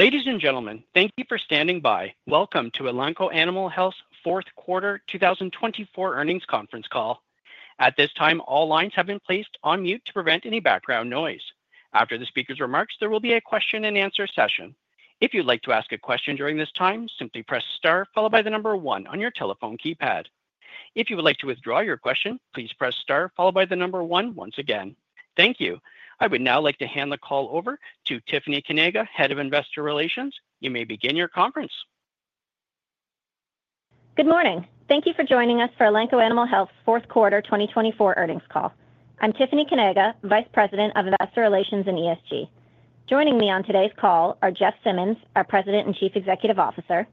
Ladies and gentlemen, thank you for standing by. Welcome to Elanco Animal Health fourth quarter 2024 earnings conference call. At this time, all lines have been placed on mute to prevent any background noise. After the speaker's remarks, there will be a question-and-answer session. If you'd like to ask a question during this time, simply press star followed by the number one on your telephone keypad. If you would like to withdraw your question, please press star followed by the number one once again. Thank you. I would now like to hand the call over to Tiffany Kanaga, Head of Investor Relations. You may begin your conference. Good morning. Thank you for joining us for Elanco Animal Health's fourth quarter 2024 earnings call. I'm Tiffany Kanaga, Vice President of Investor Relations and ESG. Joining me on today's call are Jeff Simmons, our President and Chief Executive Officer,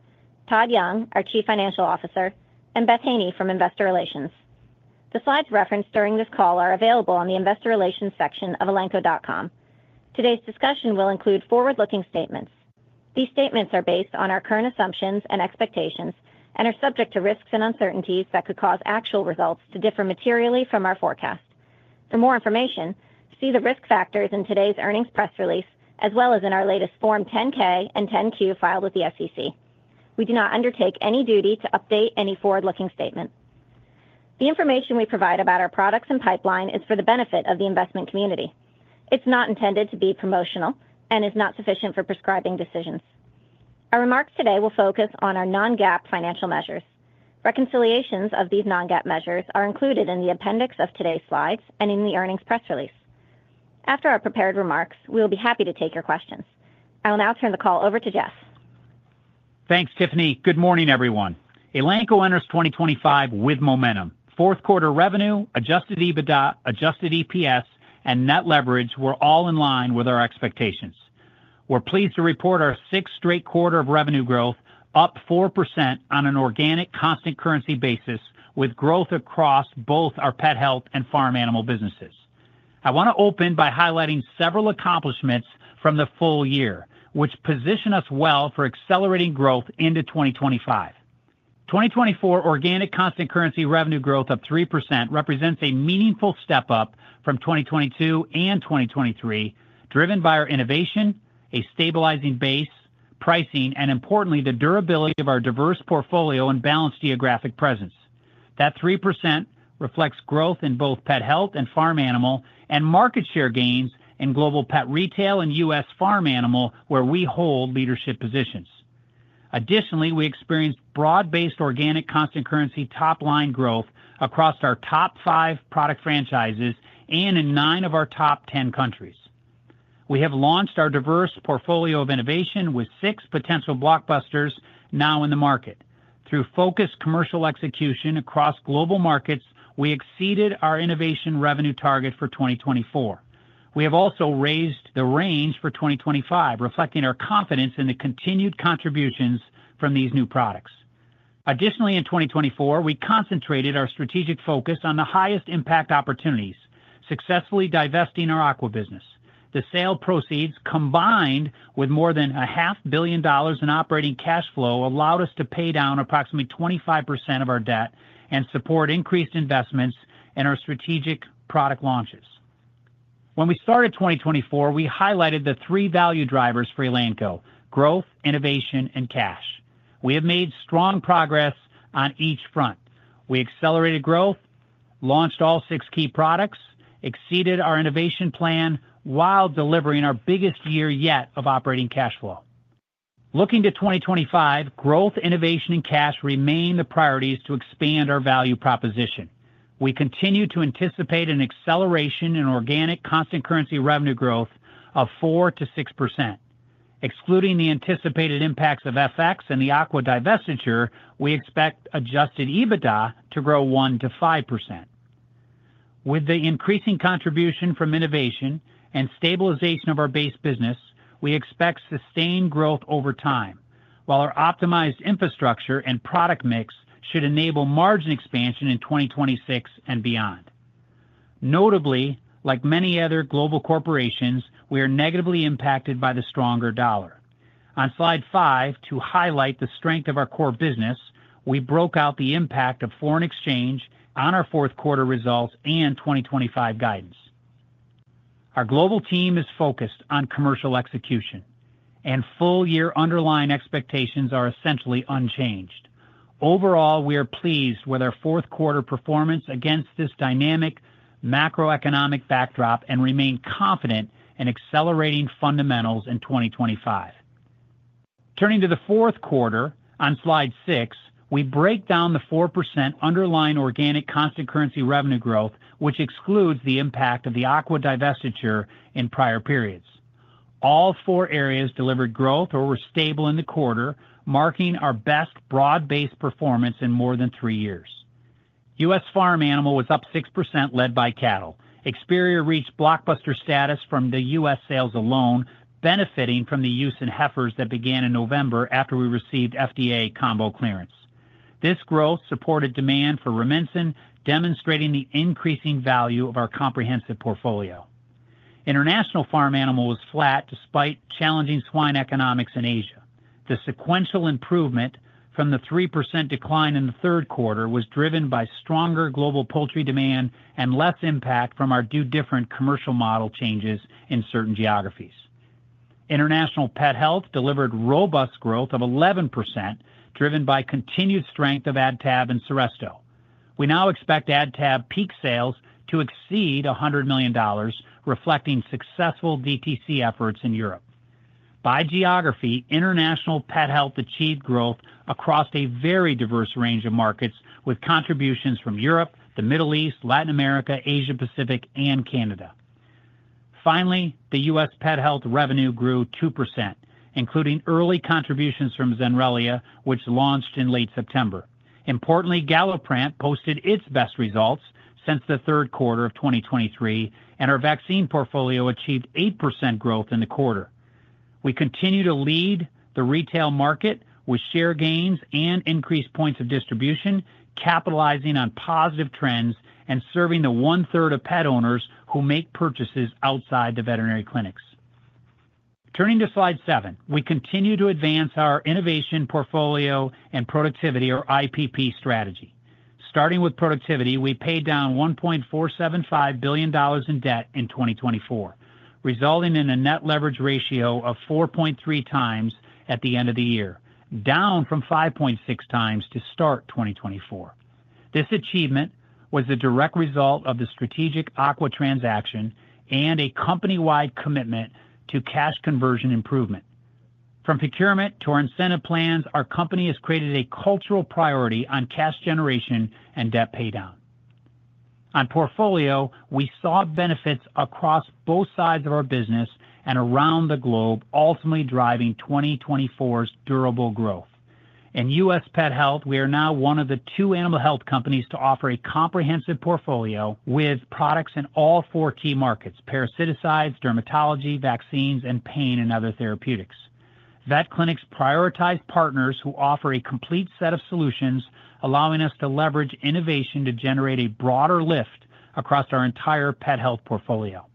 Todd Young, our Chief Financial Officer, and Beth Haney from Investor Relations. The slides referenced during this call are available on the Investor Relations section of elanco.com. Today's discussion will include forward-looking statements. These statements are based on our current assumptions and expectations and are subject to risks and uncertainties that could cause actual results to differ materially from our forecast. For more information, see the risk factors in today's earnings press release as well as in our latest Form 10-K and 10-Q filed with the SEC. We do not undertake any duty to update any forward-looking statement. The information we provide about our products and pipeline is for the benefit of the investment community. It's not intended to be promotional and is not sufficient for prescribing decisions. Our remarks today will focus on our non-GAAP financial measures. Reconciliations of these non-GAAP measures are included in the appendix of today's slides and in the earnings press release. After our prepared remarks, we will be happy to take your questions. I will now turn the call over to Jeff. Thanks, Tiffany. Good morning, everyone. Elanco enters 2025 with momentum. Fourth quarter revenue, adjusted EBITDA, adjusted EPS, and net leverage were all in line with our expectations. We're pleased to report our sixth straight quarter of revenue growth, up 4% on an organic constant currency basis, with growth across both our pet health and farm animal businesses. I want to open by highlighting several accomplishments from the full year, which position us well for accelerating growth into 2025. 2024 organic constant currency revenue growth of 3% represents a meaningful step up from 2022 and 2023, driven by our innovation, a stabilizing base, pricing, and importantly, the durability of our diverse portfolio and balanced geographic presence. That 3% reflects growth in both pet health and farm animal and market share gains in global pet retail and U.S. Farm Animal, where we hold leadership positions. Additionally, we experienced broad-based organic constant currency top-line growth across our top five product franchises and in nine of our top 10 countries. We have launched our diverse portfolio of innovation with six potential blockbusters now in the market. Through focused commercial execution across global markets, we exceeded our innovation revenue target for 2024. We have also raised the range for 2025, reflecting our confidence in the continued contributions from these new products. Additionally, in 2024, we concentrated our strategic focus on the highest impact opportunities, successfully divesting our aqua business. The sale proceeds, combined with more than $500 million in operating cash flow, allowed us to pay down approximately 25% of our debt and support increased investments in our strategic product launches. When we started 2024, we highlighted the three value drivers for Elanco: growth, innovation, and cash. We have made strong progress on each front. We accelerated growth, launched all six key products, exceeded our innovation plan while delivering our biggest year yet of operating cash flow. Looking to 2025, growth, innovation, and cash remain the priorities to expand our value proposition. We continue to anticipate an acceleration in organic constant currency revenue growth of 4%-6%. Excluding the anticipated impacts of FX and the aqua divestiture, we expect adjusted EBITDA to grow 1%-5%. With the increasing contribution from innovation and stabilization of our base business, we expect sustained growth over time, while our optimized infrastructure and product mix should enable margin expansion in 2026 and beyond. Notably, like many other global corporations, we are negatively impacted by the stronger dollar. On slide five, to highlight the strength of our core business, we broke out the impact of foreign exchange on our fourth quarter results and 2025 guidance. Our global team is focused on commercial execution, and full-year underlying expectations are essentially unchanged. Overall, we are pleased with our fourth quarter performance against this dynamic macroeconomic backdrop and remain confident in accelerating fundamentals in 2025. Turning to the fourth quarter, on slide six, we break down the 4% underlying organic constant currency revenue growth, which excludes the impact of the aqua divestiture in prior periods. All four areas delivered growth or were stable in the quarter, marking our best broad-based performance in more than three years. U.S. Farm Animal was up 6%, led by cattle. Experior reached blockbuster status from the U.S. sales alone, benefiting from the use in heifers that began in November after we received FDA combo clearance. This growth supported demand for Rumensin, demonstrating the increasing value of our comprehensive portfolio. International Farm Animal was flat despite challenging swine economics in Asia. The sequential improvement from the 3% decline in the third quarter was driven by stronger global poultry demand and less impact from our two different commercial model changes in certain geographies. International Pet Health delivered robust growth of 11%, driven by continued strength of AdTab and Seresto. We now expect AdTab peak sales to exceed $100 million, reflecting successful DTC efforts in Europe. By geography, International Pet Health achieved growth across a very diverse range of markets, with contributions from Europe, the Middle East, Latin America, Asia-Pacific, and Canada. Finally, the U.S. Pet Health revenue grew 2%, including early contributions from Zenrelia, which launched in late September. Importantly, Galliprant posted its best results since the third quarter of 2023, and our vaccine portfolio achieved 8% growth in the quarter. We continue to lead the retail market with share gains and increased points of distribution, capitalizing on positive trends and serving the one-third of pet owners who make purchases outside the veterinary clinics. Turning to slide seven, we continue to advance our innovation portfolio and productivity, or IPP strategy. Starting with productivity, we paid down $1.475 billion in debt in 2024, resulting in a net leverage ratio of 4.3 times at the end of the year, down from 5.6 times to start 2024. This achievement was a direct result of the strategic aqua transaction and a company-wide commitment to cash conversion improvement. From procurement to our incentive plans, our company has created a cultural priority on cash generation and debt paydown. On portfolio, we saw benefits across both sides of our business and around the globe, ultimately driving 2024's durable growth. In U.S. Pet Health, we are now one of the two animal health companies to offer a comprehensive portfolio with products in all four key markets: parasiticides, dermatology, vaccines, and pain and other therapeutics. Vet clinics prioritize partners who offer a complete set of solutions, allowing us to leverage innovation to generate a broader lift across our entire pet health portfolio.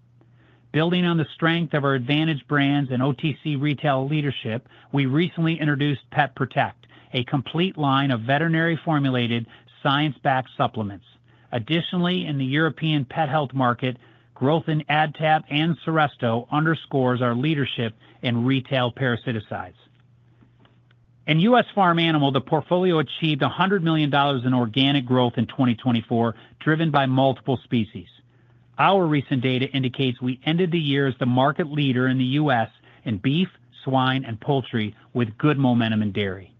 Building on the strength of our Advantage brands and OTC retail leadership, we recently introduced Pet Protect, a complete line of veterinary-formulated, science-backed supplements. Additionally, in the European pet health market, growth in AdTab and Seresto underscores our leadership in retail parasiticides. In U.S. Farm Animal, the portfolio achieved $100 million in organic growth in 2024, driven by multiple species. Our recent data indicates we ended the year as the market leader in the U.S. in beef, swine, and poultry, with good momentum in dairy.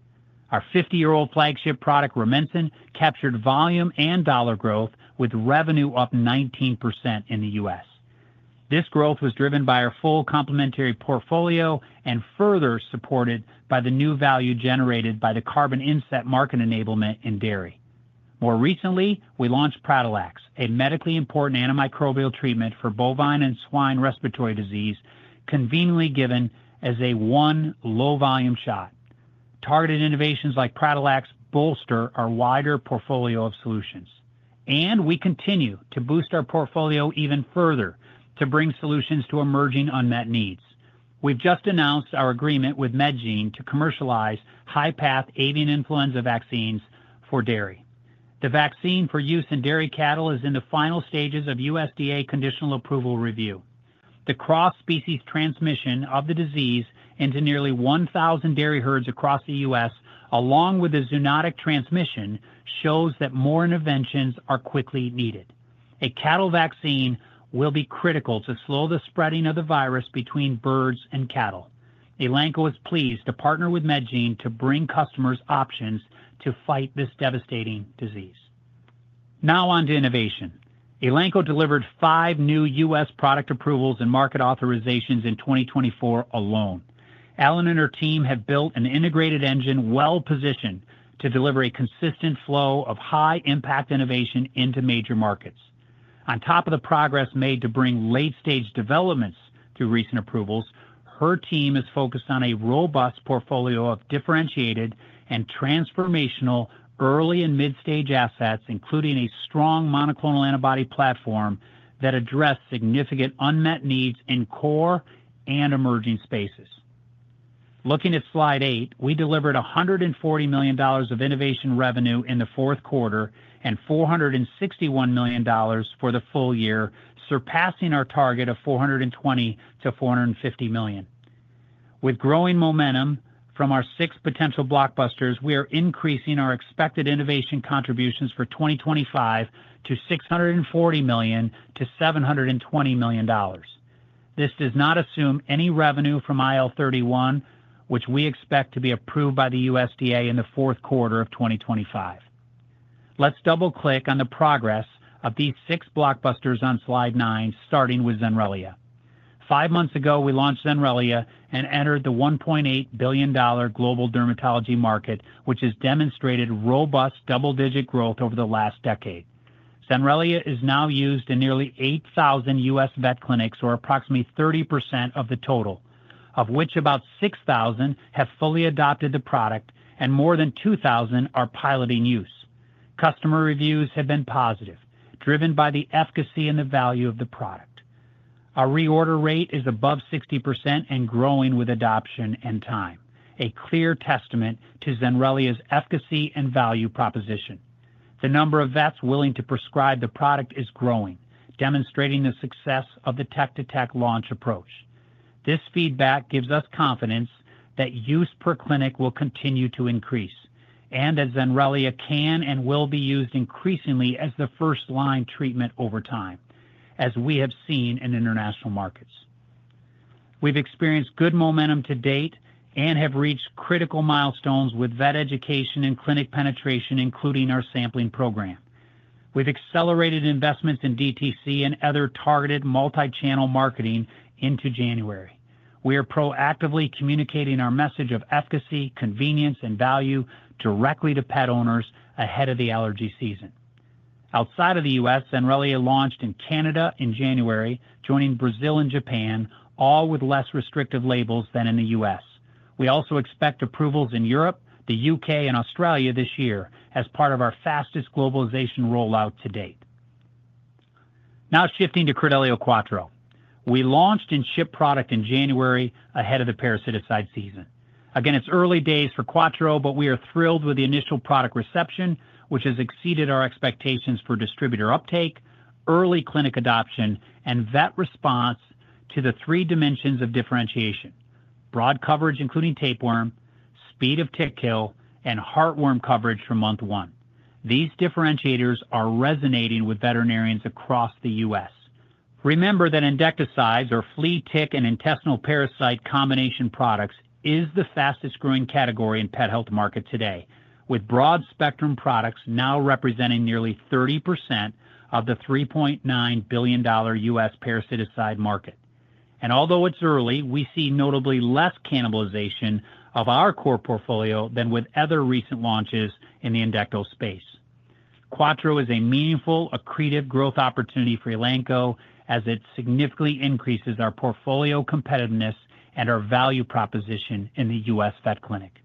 Our 50-year-old flagship product, Rumensin, captured volume and dollar growth, with revenue up 19% in the U.S. This growth was driven by our full complementary portfolio and further supported by the new value generated by the carbon inset market enablement in dairy. More recently, we launched Pradalex, a medically important antimicrobial treatment for bovine and swine respiratory disease, conveniently given as a one low-volume shot. Targeted innovations like Pradalex bolster our wider portfolio of solutions. We continue to boost our portfolio even further to bring solutions to emerging unmet needs. We've just announced our agreement with Medgene to commercialize high-path avian influenza vaccines for dairy. The vaccine for use in dairy cattle is in the final stages of USDA conditional approval review. The cross-species transmission of the disease into nearly 1,000 dairy herds across the U.S., along with the zoonotic transmission, shows that more interventions are quickly needed. A cattle vaccine will be critical to slow the spreading of the virus between birds and cattle. Elanco is pleased to partner with Medgene to bring customers options to fight this devastating disease. Now on to innovation. Elanco delivered five new U.S. product approvals and market authorizations in 2024 alone. Ellen and her team have built an integrated engine well-positioned to deliver a consistent flow of high-impact innovation into major markets. On top of the progress made to bring late-stage developments through recent approvals, her team is focused on a robust portfolio of differentiated and transformational early and mid-stage assets, including a strong monoclonal antibody platform that addressed significant unmet needs in core and emerging spaces. Looking at slide eight, we delivered $140 million of innovation revenue in the fourth quarter and $461 million for the full year, surpassing our target of $420 million-$450 million. With growing momentum from our six potential blockbusters, we are increasing our expected innovation contributions for 2025 to $640 million-$720 million. This does not assume any revenue from IL-31, which we expect to be approved by the USDA in the fourth quarter of 2025. Let's double-click on the progress of these six blockbusters on slide nine, starting with Zenrelia. Five months ago, we launched Zenrelia and entered the $1.8 billion global dermatology market, which has demonstrated robust double-digit growth over the last decade. Zenrelia's now used in nearly 8,000 U.S. vet clinics, or approximately 30% of the total, of which about 6,000 have fully adopted the product and more than 2,000 are piloting use. Customer reviews have been positive, driven by the efficacy and the value of the product. Our reorder rate is above 60% and growing with adoption and time, a clear testament to Zenrelia's efficacy and value proposition. The number of vets willing to prescribe the product is growing, demonstrating the success of the tech-to-tech launch approach. This feedback gives us confidence that use per clinic will continue to increase, and that Zenrelia can and will be used increasingly as the first-line treatment over time, as we have seen in international markets. We've experienced good momentum to date and have reached critical milestones with vet education and clinic penetration, including our sampling program. We've accelerated investments in DTC and other targeted multi-channel marketing into January. We are proactively communicating our message of efficacy, convenience, and value directly to pet owners ahead of the allergy season. Outside of the U.S., Zenrelia launched in Canada in January, joining Brazil and Japan, all with less restrictive labels than in the U.S. We also expect approvals in Europe, the U.K., and Australia this year as part of our fastest globalization rollout to date. Now shifting to Credelio Quattro. We launched and shipped product in January ahead of the parasiticide season. Again, it's early days for Quattro, but we are thrilled with the initial product reception, which has exceeded our expectations for distributor uptake, early clinic adoption, and vet response to the three dimensions of differentiation: broad coverage, including tapeworm, speed of tick kill, and heartworm coverage from month one. These differentiators are resonating with veterinarians across the U.S. Remember that endectocides, or flea tick and intestinal parasite combination products, are the fastest-growing category in the pet health market today, with broad-spectrum products now representing nearly 30% of the $3.9 billion U.S. parasiticide market. Although it's early, we see notably less cannibalization of our core portfolio than with other recent launches in the endectocide space. Quattro is a meaningful, accretive growth opportunity for Elanco, as it significantly increases our portfolio competitiveness and our value proposition in the U.S. vet clinic.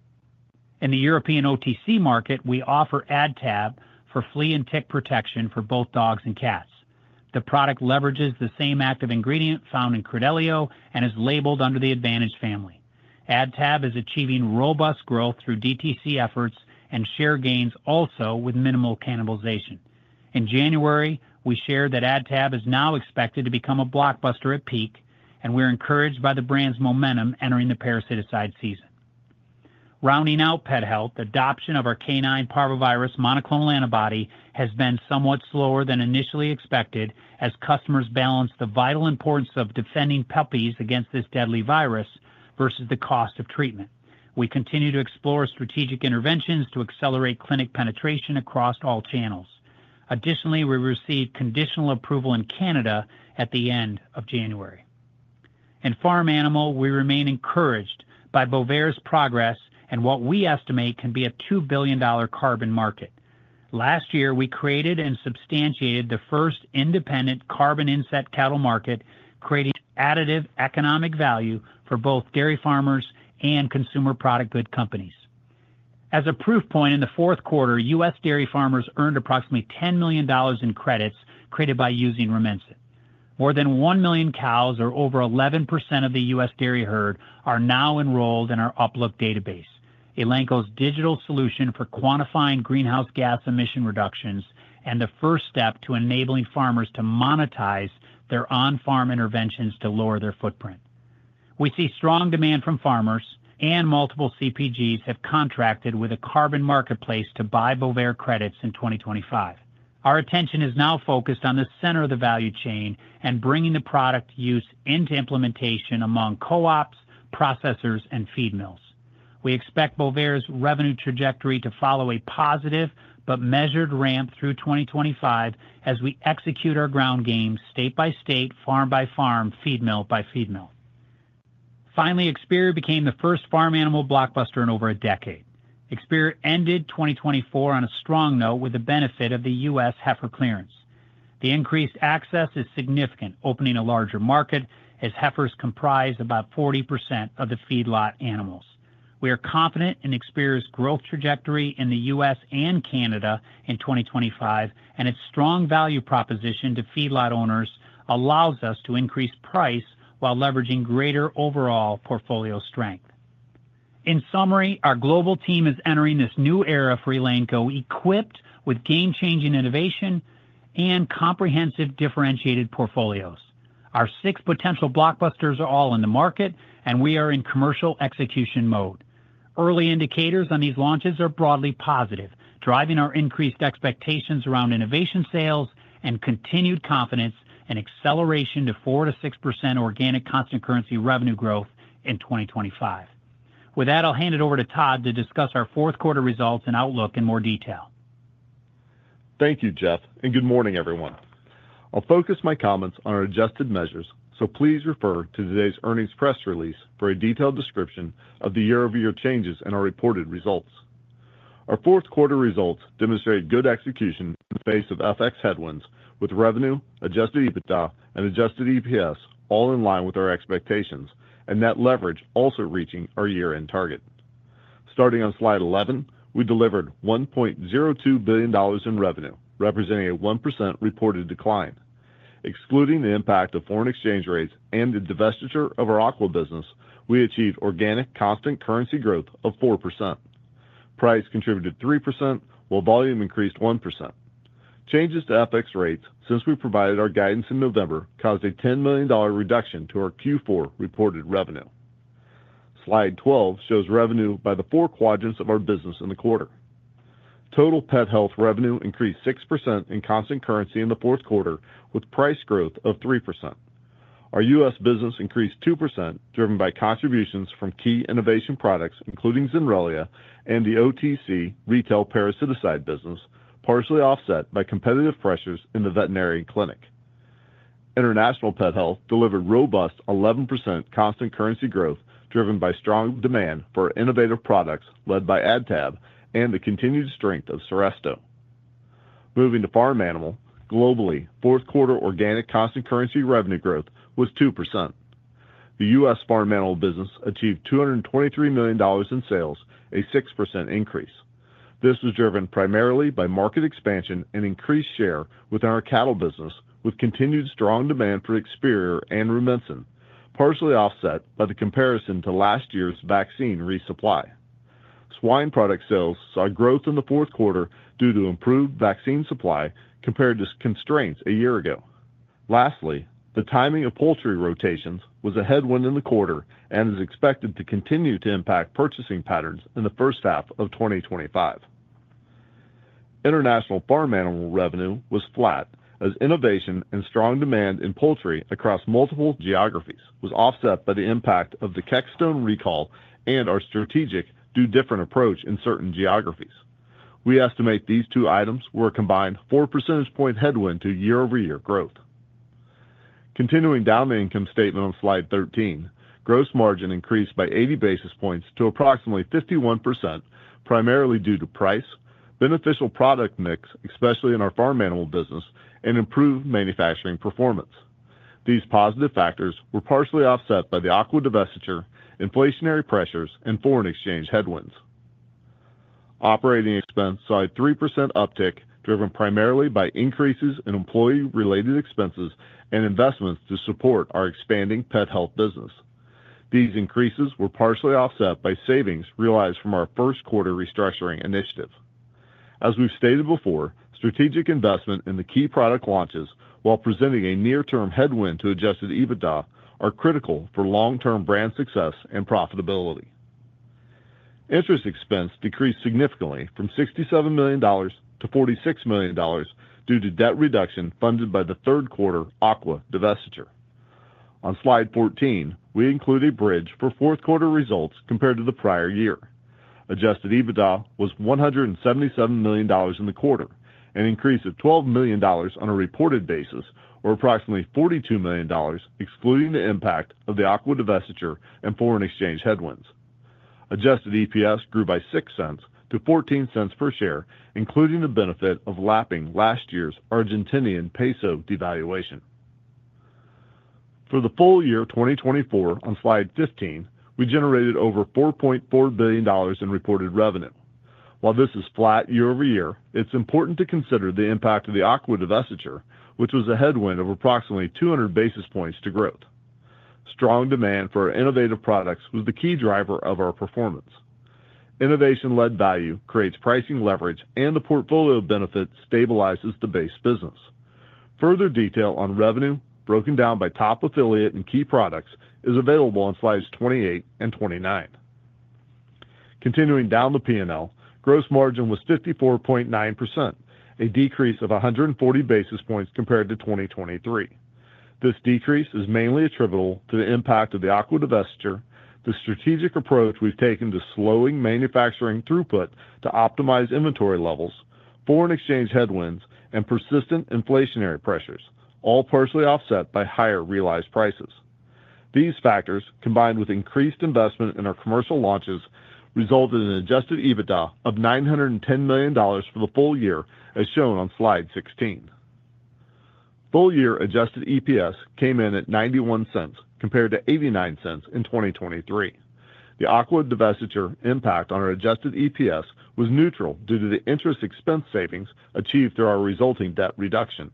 In the European OTC market, we offer AdTab for flea and tick protection for both dogs and cats. The product leverages the same active ingredient found in Credelio and is labeled under the Advantage family. AdTab is achieving robust growth through DTC efforts and share gains also with minimal cannibalization. In January, we shared that AdTab is now expected to become a blockbuster at peak, and we're encouraged by the brand's momentum entering the parasiticide season. Rounding out pet health, adoption of our canine parvovirus monoclonal antibody has been somewhat slower than initially expected, as customers balance the vital importance of defending puppies against this deadly virus versus the cost of treatment. We continue to explore strategic interventions to accelerate clinic penetration across all channels. Additionally, we received conditional approval in Canada at the end of January. In farm animal, we remain encouraged by Bovaer's progress and what we estimate can be a $2 billion carbon market. Last year, we created and substantiated the first independent carbon inset cattle market, creating additive economic value for both dairy farmers and consumer product good companies. As a proof point, in the fourth quarter, U.S. dairy farmers earned approximately $10 million in credits created by using Rumensin. More than 1 million cows, or over 11% of the U.S. dairy herd, are now enrolled in our UpLook database, Elanco's digital solution for quantifying greenhouse gas emission reductions and the first step to enabling farmers to monetize their on-farm interventions to lower their footprint. We see strong demand from farmers, and multiple CPGs have contracted with a carbon marketplace to buy Bovaer credits in 2025. Our attention is now focused on the center of the value chain and bringing the product use into implementation among co-ops, processors, and feed mills. We expect Bovaer's revenue trajectory to follow a positive but measured ramp through 2025 as we execute our ground games state-by-state, farm-by-farm, feed mill-by-feed mill. Finally, Experior became the first farm animal blockbuster in over a decade. Experior ended 2024 on a strong note with the benefit of the U.S. heifer clearance. The increased access is significant, opening a larger market as heifers comprise about 40% of the feedlot animals. We are confident in Experior's growth trajectory in the U.S. and Canada in 2025, and its strong value proposition to feedlot owners allows us to increase price while leveraging greater overall portfolio strength. In summary, our global team is entering this new era for Elanco, equipped with game-changing innovation and comprehensive differentiated portfolios. Our six potential blockbusters are all in the market, and we are in commercial execution mode. Early indicators on these launches are broadly positive, driving our increased expectations around innovation sales and continued confidence in acceleration to 4%-6% organic constant currency revenue growth in 2025. With that, I'll hand it over to Todd to discuss our fourth quarter results and outlook in more detail. Thank you, Jeff, and good morning, everyone. I'll focus my comments on our adjusted measures, so please refer to today's earnings press release for a detailed description of the year-over-year changes in our reported results. Our fourth quarter results demonstrate good execution in the face of FX headwinds, with revenue, adjusted EBITDA, and adjusted EPS all in line with our expectations, and net leverage also reaching our year-end target. Starting on slide 11, we delivered $1.02 billion in revenue, representing a 1% reported decline. Excluding the impact of foreign exchange rates and the divestiture of our aqua business, we achieved organic constant currency growth of 4%. Price contributed 3%, while volume increased 1%. Changes to FX rates since we provided our guidance in November caused a $10 million reduction to our Q4 reported revenue. Slide 12 shows revenue by the four quadrants of our business in the quarter. Total pet health revenue increased 6% in constant currency in the fourth quarter, with price growth of 3%. Our U.S. business increased 2%, driven by contributions from key innovation products, including Zenrelia and the OTC retail parasiticide business, partially offset by competitive pressures in the veterinary clinic. International Pet Health delivered robust 11% constant currency growth, driven by strong demand for innovative products led by AdTab and the continued strength of Seresto. Moving to farm animal, globally, fourth quarter organic constant currency revenue growth was 2%. The U.S. Farm Animal business achieved $223 million in sales, a 6% increase. This was driven primarily by market expansion and increased share within our cattle business, with continued strong demand for Experior and Rumensin, partially offset by the comparison to last year's vaccine resupply. Swine product sales saw growth in the fourth quarter due to improved vaccine supply compared to constraints a year ago. Lastly, the timing of poultry rotations was a headwind in the quarter and is expected to continue to impact purchasing patterns in the first half of 2025. International farm animal revenue was flat, as innovation and strong demand in poultry across multiple geographies was offset by the impact of the Kexxtone recall and our strategic differentiated approach in certain geographies. We estimate these two items were a combined four percentage point headwind to year-over-year growth. Continuing down the income statement on slide 13, gross margin increased by 80 basis points to approximately 51%, primarily due to price, beneficial product mix, especially in our farm animal business, and improved manufacturing performance. These positive factors were partially offset by the aqua divestiture, inflationary pressures, and foreign exchange headwinds. Operating expense saw a 3% uptick, driven primarily by increases in employee-related expenses and investments to support our expanding pet health business. These increases were partially offset by savings realized from our first quarter restructuring initiative. As we've stated before, strategic investment in the key product launches, while presenting a near-term headwind to adjusted EBITDA, are critical for long-term brand success and profitability. Interest expense decreased significantly from $67 million to $46 million due to debt reduction funded by the third quarter aqua divestiture. On slide 14, we include a bridge for fourth quarter results compared to the prior year. Adjusted EBITDA was $177 million in the quarter, an increase of $12 million on a reported basis, or approximately $42 million, excluding the impact of the aqua divestiture and foreign exchange headwinds. Adjusted EPS grew by $0.06 to $0.14 per share, including the benefit of lapping last year's Argentinian peso devaluation. For the full year 2024, on slide 15, we generated over $4.4 billion in reported revenue. While this is flat year-over-year, it's important to consider the impact of the aqua divestiture, which was a headwind of approximately 200 basis points to growth. Strong demand for our innovative products was the key driver of our performance. Innovation-led value creates pricing leverage, and the portfolio benefit stabilizes the base business. Further detail on revenue, broken down by top affiliate and key products, is available on slides 28 and 29. Continuing down the P&L, gross margin was 54.9%, a decrease of 140 basis points compared to 2023. This decrease is mainly attributable to the impact of the aqua divestiture, the strategic approach we've taken to slowing manufacturing throughput to optimize inventory levels, foreign exchange headwinds, and persistent inflationary pressures, all partially offset by higher realized prices. These factors, combined with increased investment in our commercial launches, resulted in adjusted EBITDA of $910 million for the full year, as shown on slide 16. Full year adjusted EPS came in at $0.91 compared to $0.89 in 2023. The aqua divestiture impact on our adjusted EPS was neutral due to the interest expense savings achieved through our resulting debt reduction.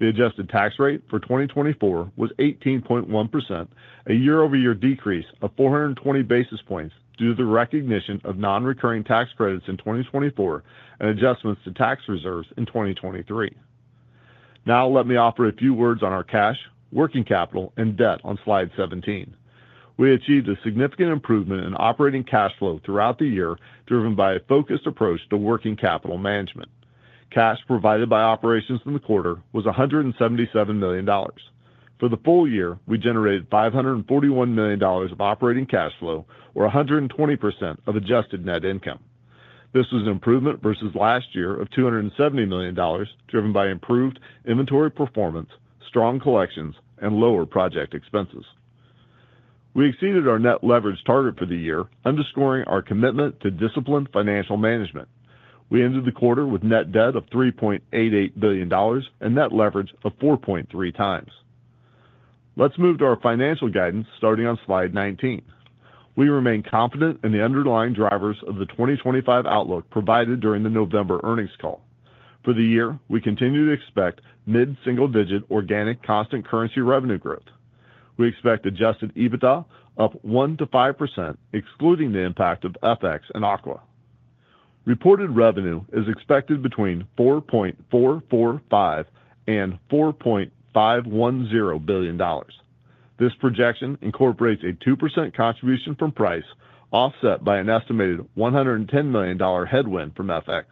The adjusted tax rate for 2024 was 18.1%, a year-over-year decrease of 420 basis points due to the recognition of non-recurring tax credits in 2024 and adjustments to tax reserves in 2023. Now, let me offer a few words on our cash, working capital, and debt on slide 17. We achieved a significant improvement in operating cash flow throughout the year, driven by a focused approach to working capital management. Cash provided by operations in the quarter was $177 million. For the full year, we generated $541 million of operating cash flow, or 120% of adjusted net income. This was an improvement versus last year of $270 million, driven by improved inventory performance, strong collections, and lower project expenses. We exceeded our net leverage target for the year, underscoring our commitment to disciplined financial management. We ended the quarter with net debt of $3.88 billion and net leverage of 4.3 times. Let's move to our financial guidance, starting on slide 19. We remain confident in the underlying drivers of the 2025 outlook provided during the November earnings call. For the year, we continue to expect mid-single-digit organic constant currency revenue growth. We expect adjusted EBITDA up 1%-5%, excluding the impact of FX and aqua. Reported revenue is expected between $4.445 and $4.510 billion. This projection incorporates a 2% contribution from price, offset by an estimated $110 million headwind from FX.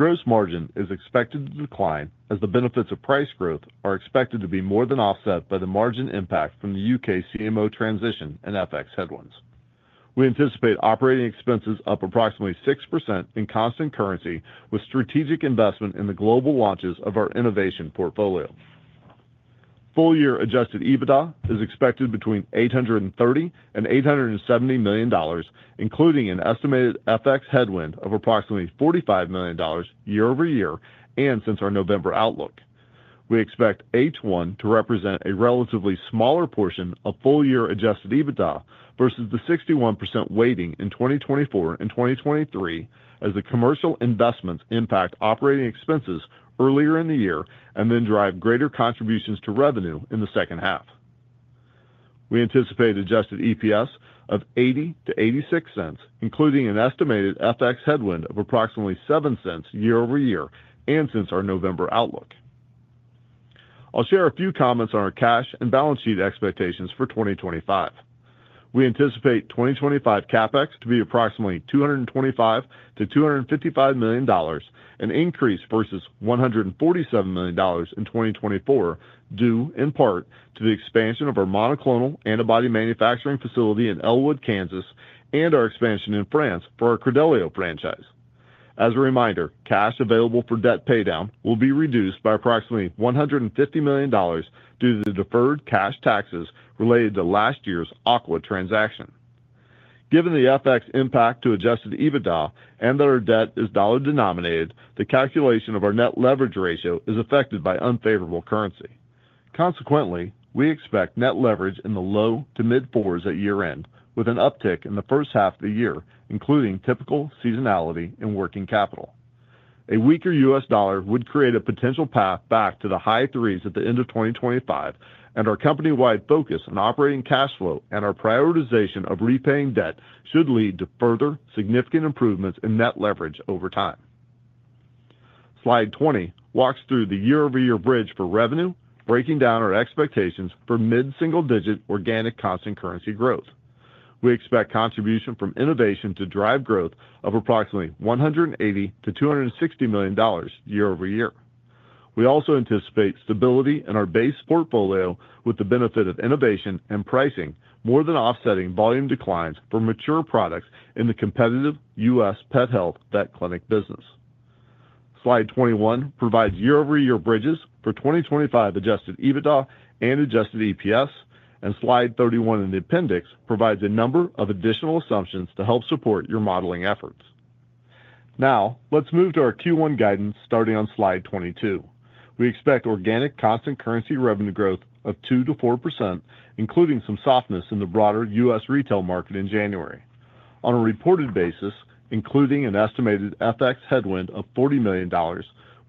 Gross margin is expected to decline, as the benefits of price growth are expected to be more than offset by the margin impact from the UK CMO transition and FX headwinds. We anticipate operating expenses up approximately 6% in constant currency, with strategic investment in the global launches of our innovation portfolio. Full year adjusted EBITDA is expected between $830 million-$870 million, including an estimated FX headwind of approximately $45 million year-over-year and since our November outlook. We expect H1 to represent a relatively smaller portion of full year adjusted EBITDA versus the 61% weighting in 2024 and 2023, as the commercial investments impact operating expenses earlier in the year and then drive greater contributions to revenue in the second half. We anticipated adjusted EPS of $0.80-$0.86, including an estimated FX headwind of approximately $0.07 year-over-year and since our November outlook. I'll share a few comments on our cash and balance sheet expectations for 2025. We anticipate 2025 CapEx to be approximately $225 million-$255 million, an increase versus $147 million in 2024, due in part to the expansion of our monoclonal antibody manufacturing facility in Elwood, Kansas, and our expansion in France for our Credelio franchise. As a reminder, cash available for debt paydown will be reduced by approximately $150 million due to the deferred cash taxes related to last year's aqua transaction. Given the FX impact to adjusted EBITDA and that our debt is dollar-denominated, the calculation of our net leverage ratio is affected by unfavorable currency. Consequently, we expect net leverage in the low to mid-fours at year-end, with an uptick in the first half of the year, including typical seasonality in working capital. A weaker U.S. dollar would create a potential path back to the high threes at the end of 2025, and our company-wide focus on operating cash flow and our prioritization of repaying debt should lead to further significant improvements in net leverage over time. Slide 20 walks through the year-over-year bridge for revenue, breaking down our expectations for mid-single-digit organic constant currency growth. We expect contribution from innovation to drive growth of approximately $180 million-$260 million year-over-year. We also anticipate stability in our base portfolio, with the benefit of innovation and pricing more than offsetting volume declines for mature products in the competitive U.S. Pet Health vet clinic business. Slide 21 provides year-over-year bridges for 2025 adjusted EBITDA and adjusted EPS, and slide 31 in the appendix provides a number of additional assumptions to help support your modeling efforts. Now, let's move to our Q1 guidance, starting on slide 22. We expect organic constant currency revenue growth of 2%-4%, including some softness in the broader U.S. retail market in January. On a reported basis, including an estimated FX headwind of $40 million,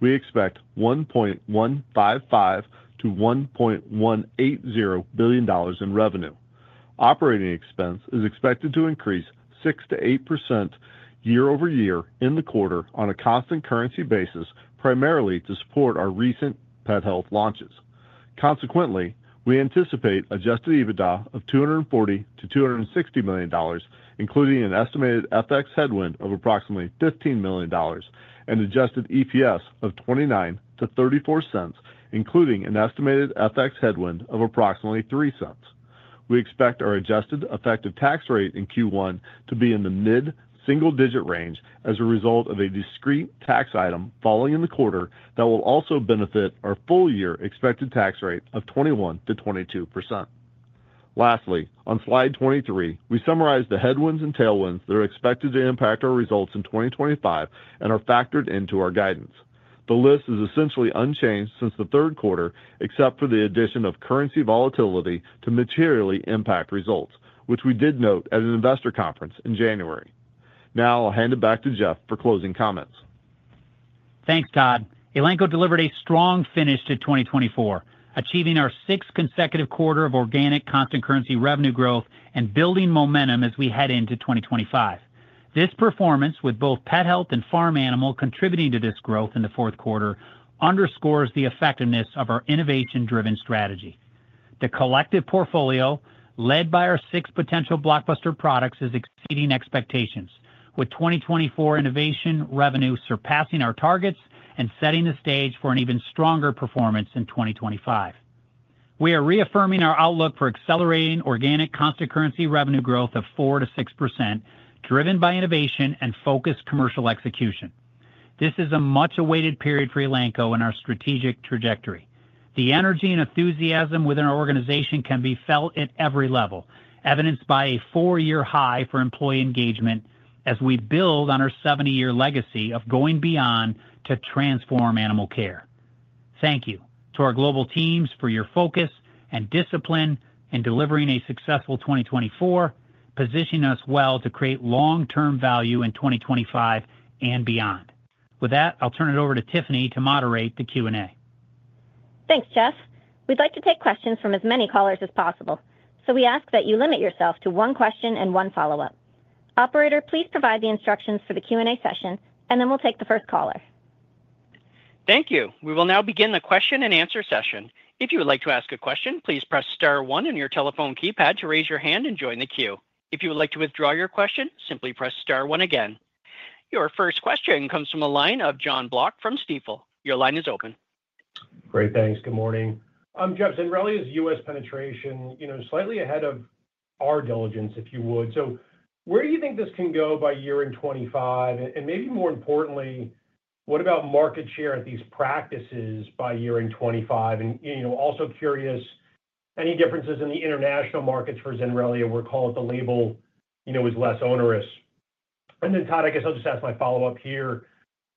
we expect $1.155 billion-$1.180 billion in revenue. Operating expense is expected to increase 6%-8% year-over-year in the quarter on a constant currency basis, primarily to support our recent pet health launches. Consequently, we anticipate adjusted EBITDA of $240 million-$260 million, including an estimated FX headwind of approximately $15 million, and adjusted EPS of $0.29-$0.34, including an estimated FX headwind of approximately $0.03. We expect our adjusted effective tax rate in Q1 to be in the mid-single-digit range as a result of a discrete tax item falling in the quarter that will also benefit our full year expected tax rate of 21%-22%. Lastly, on slide 23, we summarize the headwinds and tailwinds that are expected to impact our results in 2025 and are factored into our guidance. The list is essentially unchanged since the third quarter, except for the addition of currency volatility to materially impact results, which we did note at an investor conference in January. Now, I'll hand it back to Jeff for closing comments. Thanks, Todd. Elanco delivered a strong finish to 2024, achieving our sixth consecutive quarter of organic constant currency revenue growth and building momentum as we head into 2025. This performance, with both pet health and farm animal contributing to this growth in the fourth quarter, underscores the effectiveness of our innovation-driven strategy. The collective portfolio, led by our six potential blockbuster products, is exceeding expectations, with 2024 innovation revenue surpassing our targets and setting the stage for an even stronger performance in 2025. We are reaffirming our outlook for accelerating organic constant currency revenue growth of 4%-6%, driven by innovation and focused commercial execution. This is a much-awaited period for Elanco in our strategic trajectory. The energy and enthusiasm within our organization can be felt at every level, evidenced by a four-year high for employee engagement as we build on our 70-year legacy of going beyond to transform animal care. Thank you to our global teams for your focus and discipline in delivering a successful 2024, positioning us well to create long-term value in 2025 and beyond. With that, I'll turn it over to Tiffany to moderate the Q&A. Thanks, Jeff. We'd like to take questions from as many callers as possible, so we ask that you limit yourself to one question and one follow-up. Operator, please provide the instructions for the Q&A session, and then we'll take the first caller. Thank you. We will now begin the question-and-answer session. If you would like to ask a question, please press star one on your telephone keypad to raise your hand and join the queue. If you would like to withdraw your question, simply press star one again. Your first question comes from a line of Jon Block from Stifel. Your line is open. Great. Thanks. Good morning. Jeff, Zenrelia is U.S. penetration, you know, slightly ahead of our diligence, if you would. So where do you think this can go by year-end 2025? And maybe more importantly, what about market share at these practices by year-end 2025? And also curious, any differences in the international markets for Zenrelia, or we'll call it the label, is less onerous? And then, Todd, I guess I'll just ask my follow-up here.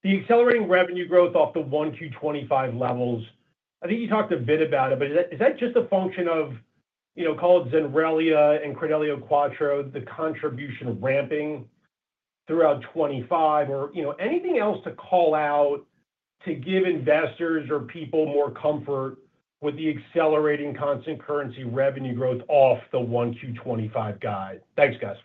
The accelerating revenue growth off the 1Q 2025 levels, I think you talked a bit about it, but is that just a function of, you know, called Zenrelia and Credelio Quattro, the contribution ramping throughout 2025? Or anything else to call out to give investors or people more comfort with the accelerating constant currency revenue growth off the 1Q 2025 guide? Thanks, guys.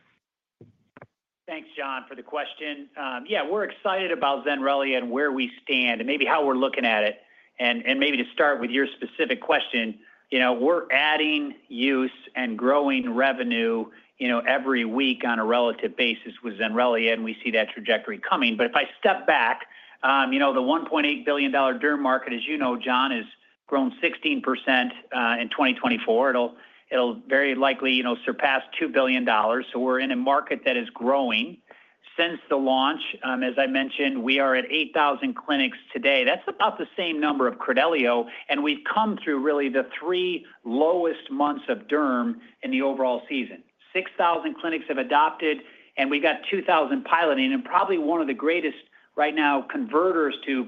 Thanks, Jon, for the question. Yeah, we're excited about Zenrelia and where we stand, and maybe how we're looking at it. And maybe to start with your specific question, you know, we're adding use and growing revenue every week on a relative basis with Zenrelia, and we see that trajectory coming. But if I step back, you know, the $1.8 billion derm market, as you know, Jon, has grown 16% in 2024. It'll very likely surpass $2 billion. So we're in a market that is growing since the launch. As I mentioned, we are at 8,000 clinics today. That's about the same number of Credelio, and we've come through really the three lowest months of derm in the overall season. 6,000 clinics have adopted, and we've got 2,000 piloting. And probably one of the greatest right now converters to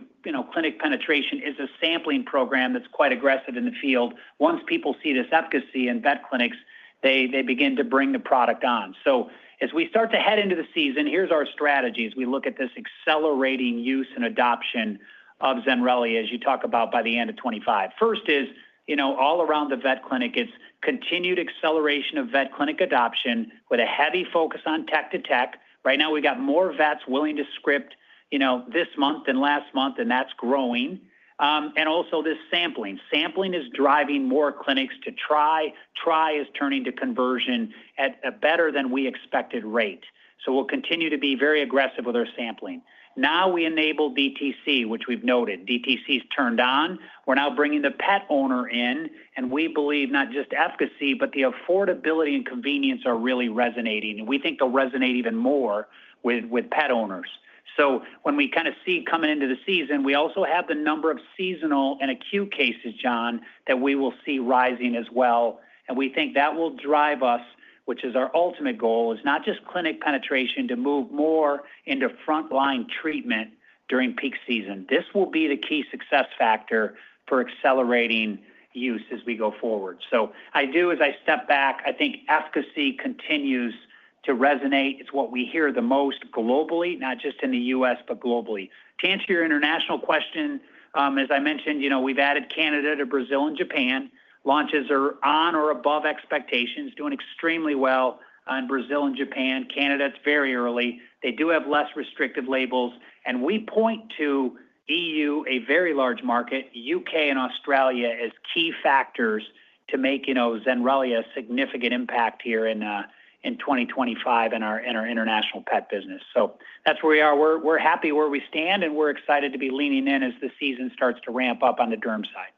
clinic penetration is a sampling program that's quite aggressive in the field. Once people see this efficacy in vet clinics, they begin to bring the product on. So as we start to head into the season, here's our strategies. We look at this accelerating use and adoption of Zenrelia, as you talk about by the end of 2025. First is, you know, all around the vet clinic, it's continued acceleration of vet clinic adoption with a heavy focus on tech-to-tech. Right now, we've got more vets willing to script, you know, this month than last month, and that's growing. And also this sampling. Sampling is driving more clinics to try. Try is turning to conversion at a better than we expected rate. So we'll continue to be very aggressive with our sampling. Now we enable DTC, which we've noted. DTC's turned on. We're now bringing the pet owner in, and we believe not just efficacy, but the affordability and convenience are really resonating. And we think they'll resonate even more with pet owners. So when we kind of see coming into the season, we also have the number of seasonal and acute cases, Jon, that we will see rising as well. And we think that will drive us, which is our ultimate goal, is not just clinic penetration to move more into frontline treatment during peak season. This will be the key success factor for accelerating use as we go forward. So I do, as I step back, I think efficacy continues to resonate. It's what we hear the most globally, not just in the U.S., but globally. To answer your international question, as I mentioned, you know, we've added Canada to Brazil and Japan. Launches are on or above expectations, doing extremely well in Brazil and Japan. Canada's very early. They do have less restrictive labels. And we point to EU, a very large market, U.K. and Australia as key factors to make Zenrelia a significant impact here in 2025 in our International Pet Business. So that's where we are. We're happy where we stand, and we're excited to be leaning in as the season starts to ramp up on the derm side.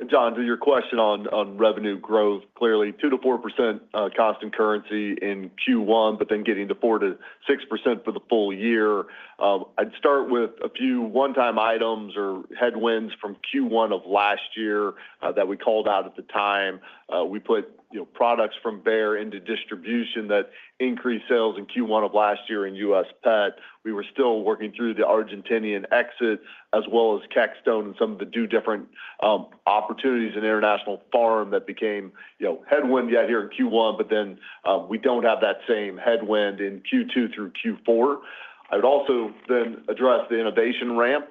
And, Jon, to your question on revenue growth, clearly 2%-4% constant currency in Q1, but then getting to 4%-6% for the full year. I'd start with a few one-time items or headwinds from Q1 of last year that we called out at the time. We put products from Bayer into distribution that increased sales in Q1 of last year in U.S. pet. We were still working through the Argentinian exit, as well as Kexxtone and some of the two different opportunities in international farm that became headwind here in Q1, but then we don't have that same headwind in Q2 through Q4. I would also then address the innovation ramp.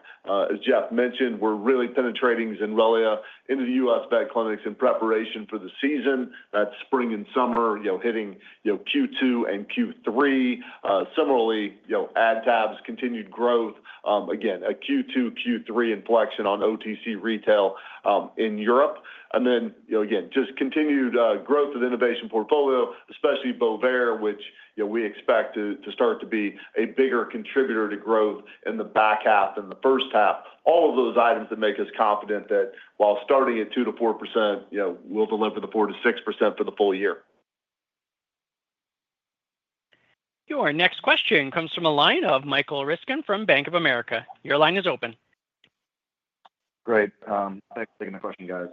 As Jeff mentioned, we're really penetrating Zenrelia into the U.S. vet clinics in preparation for the season. That's spring and summer, hitting Q2 and Q3. Similarly, AdTab's continued growth, again, a Q2, Q3 inflection on OTC retail in Europe. And then, again, just continued growth of the innovation portfolio, especially Bovaer, which we expect to start to be a bigger contributor to growth in the back half than the first half. All of those items that make us confident that while starting at 2%-4%, we'll deliver the 4%-6% for the full year. Your next question comes from a line of Michael Ryskin from Bank of America. Your line is open. Great. Thanks for taking the question, guys.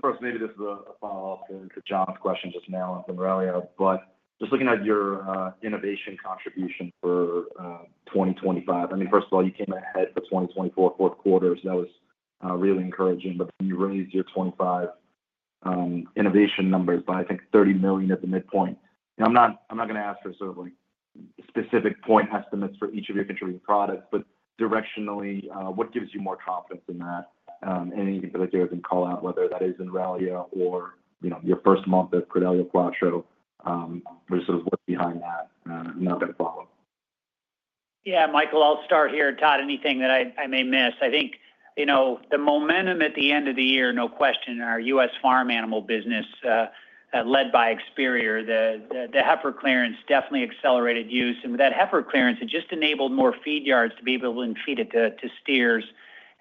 First, maybe this is a follow-up to John's question just now on Zenrelia, but just looking at your innovation contribution for 2025. I mean, first of all, you came ahead for 2024 fourth quarter, so that was really encouraging. But then you raised your 2025 innovation numbers by, I think, $30 million at the midpoint. I'm not going to ask for sort of specific point estimates for each of your contributing products, but directionally, what gives you more confidence in that? And anything that you can call out, whether that is Zenrelia or your first month of Credelio Quattro, what's sort of what's behind that? I'm not going to follow. Yeah, Michael, I'll start here. Todd, anything that I may miss? I think the momentum at the end of the year, no question, in our U.S. Farm Animal business led by Experior, the heifer clearance definitely accelerated use. And with that heifer clearance, it just enabled more feed yards to be able to feed it to steers.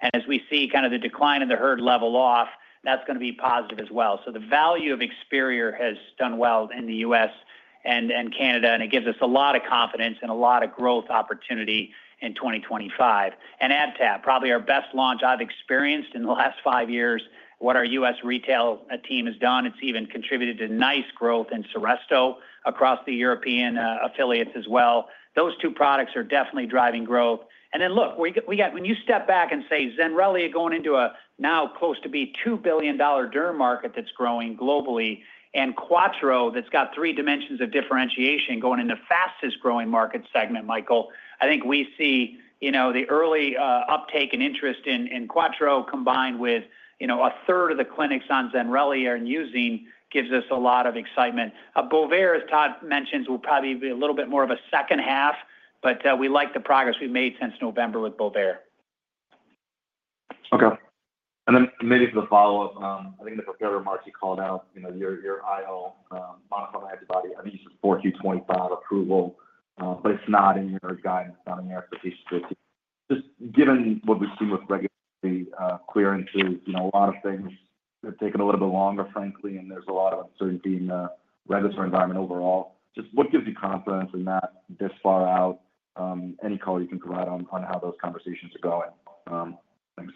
And as we see kind of the decline in the herd level off, that's going to be positive as well. So the value of Experior has done well in the U.S. and Canada, and it gives us a lot of confidence and a lot of growth opportunity in 2025. And AdTab, probably our best launch I've experienced in the last five years, what our U.S. retail team has done. It's even contributed to nice growth in Seresto across the European affiliates as well. Those two products are definitely driving growth. And then, look, when you step back and say Zenrelia is going into a now close to be $2 billion derm market that's growing globally, and Quattro that's got three dimensions of differentiation going into fastest growing market segment, Michael, I think we see the early uptake and interest in Quattro combined with a third of the clinics on Zenrelia are using, gives us a lot of excitement. Bovaer, as Todd mentions, will probably be a little bit more of a second half, but we like the progress we've made since November with Bovaer. Okay. And then maybe for the follow-up, I think in the prepared remarks you called out your IL-31 monoclonal antibody. I think you said 4Q 2025 approval, but it's not in your guidance, not in your expectations. Just given what we've seen with regulatory clearances, a lot of things have taken a little bit longer, frankly, and there's a lot of uncertainty in the regulatory environment overall. Just what gives you confidence in that this far out? Any color you can provide on how those conversations are going. Thanks.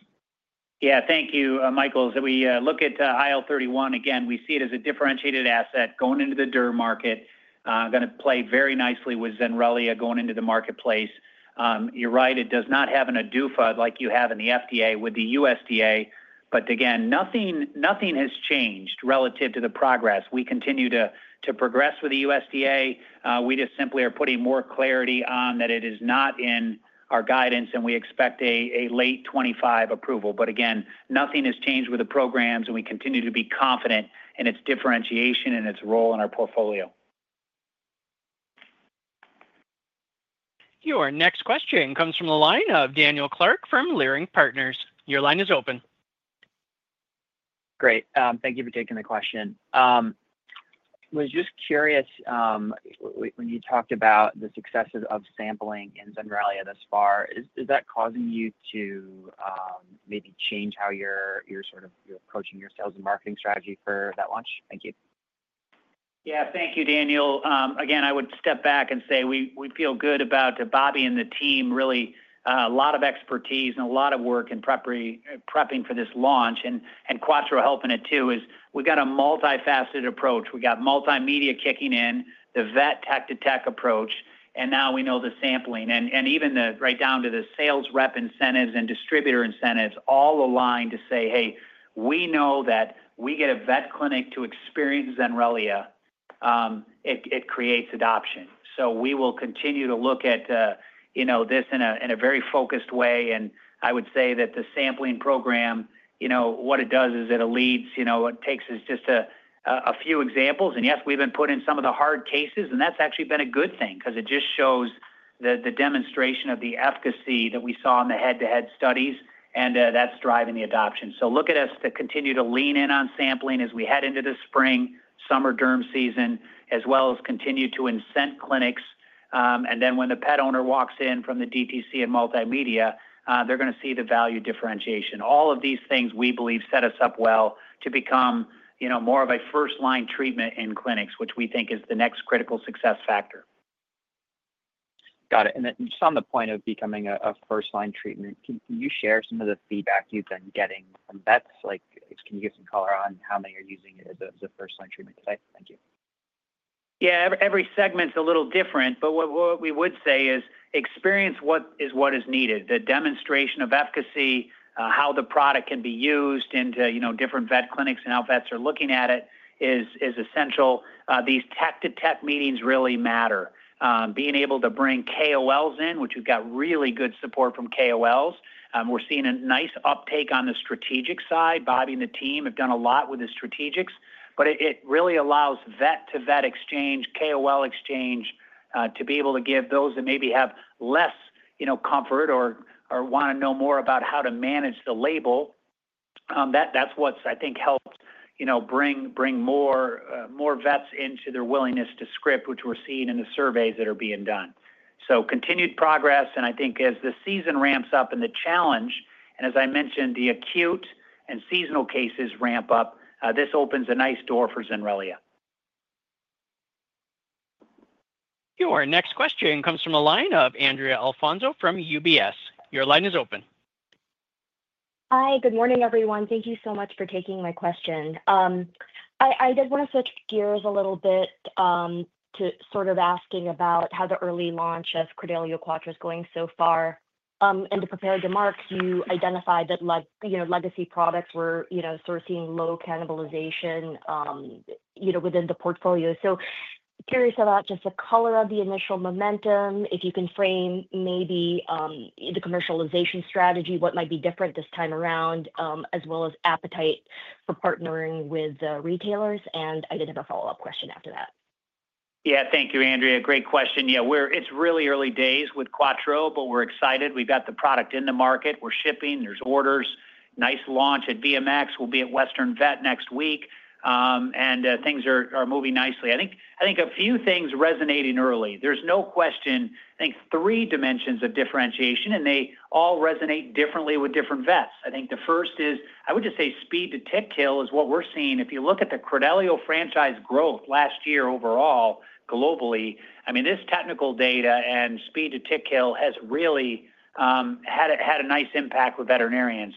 Yeah, thank you, Michael. As we look at IL-31, again, we see it as a differentiated asset going into the derm market, going to play very nicely with Zenrelia going into the marketplace. You're right, it does not have an ADUFA like you have in the FDA with the USDA, but again, nothing has changed relative to the progress. We continue to progress with the USDA. We just simply are putting more clarity on that it is not in our guidance, and we expect a late 2025 approval. But again, nothing has changed with the programs, and we continue to be confident in its differentiation and its role in our portfolio. Your next question comes from the line of Daniel Clark from Leerink Partners. Your line is open. Great. Thank you for taking the question. I was just curious, when you talked about the success of sampling in Zenrelia thus far, is that causing you to maybe change how you're sort of approaching your sales and marketing strategy for that launch? Thank you. Yeah, thank you, Daniel. Again, I would step back and say we feel good about Bobby and the team, really a lot of expertise and a lot of work in prepping for this launch. And Quattro helping it too is we've got a multifaceted approach. We've got multimedia kicking in, the vet tech-to-tech approach, and now we know the sampling. And even right down to the sales rep incentives and distributor incentives all align to say, "Hey, we know that we get a vet clinic to experience Zenrelia, it creates adoption." So we will continue to look at this in a very focused way. And I would say that the sampling program, what it does is it leads, it takes us just a few examples. Yes, we've been put in some of the hard cases, and that's actually been a good thing because it just shows the demonstration of the efficacy that we saw in the head-to-head studies, and that's driving the adoption. So look at us to continue to lean in on sampling as we head into the spring, summer derm season, as well as continue to incent clinics. And then when the pet owner walks in from the DTC and multimedia, they're going to see the value differentiation. All of these things we believe set us up well to become more of a first-line treatment in clinics, which we think is the next critical success factor. Got it. And just on the point of becoming a first-line treatment, can you share some of the feedback you've been getting from vets? Can you give some color on how many are using it as a first-line treatment today? Thank you. Yeah, every segment's a little different, but what we would say is experience what is needed. The demonstration of efficacy, how the product can be used into different vet clinics and how vets are looking at it is essential. These tech-to-tech meetings really matter. Being able to bring KOLs in, which we've got really good support from KOLs. We're seeing a nice uptake on the strategic side. Bobby and the team have done a lot with the strategics, but it really allows vet-to-vet exchange, KOL exchange to be able to give those that maybe have less comfort or want to know more about how to manage the label. That's what's, I think, helped bring more vets into their willingness to script, which we're seeing in the surveys that are being done. So continued progress, and I think as the season ramps up and the challenge, and as I mentioned, the acute and seasonal cases ramp up, this opens a nice door for Zenrelia. Your next question comes from a line of Andrea Alfonso from UBS. Your line is open. Hi, good morning, everyone. Thank you so much for taking my question. I did want to switch gears a little bit to sort of asking about how the early launch of Credelio Quattro is going so far. In the prepared remarks, you identified that legacy products were sort of seeing low cannibalization within the portfolio. So curious about just the color of the initial momentum, if you can frame maybe the commercialization strategy, what might be different this time around, as well as appetite for partnering with retailers. And I did have a follow-up question after that. Yeah, thank you, Andrea. Great question. Yeah, it's really early days with Quattro, but we're excited. We've got the product in the market. We're shipping. There's orders. Nice launch at VMX. We'll be at Western Vet next week, and things are moving nicely. I think a few things resonating early. There's no question, I think, three dimensions of differentiation, and they all resonate differently with different vets. I think the first is, I would just say speed to tick kill is what we're seeing. If you look at the Credelio franchise growth last year overall globally, I mean, this technical data and speed to tick kill has really had a nice impact with veterinarians.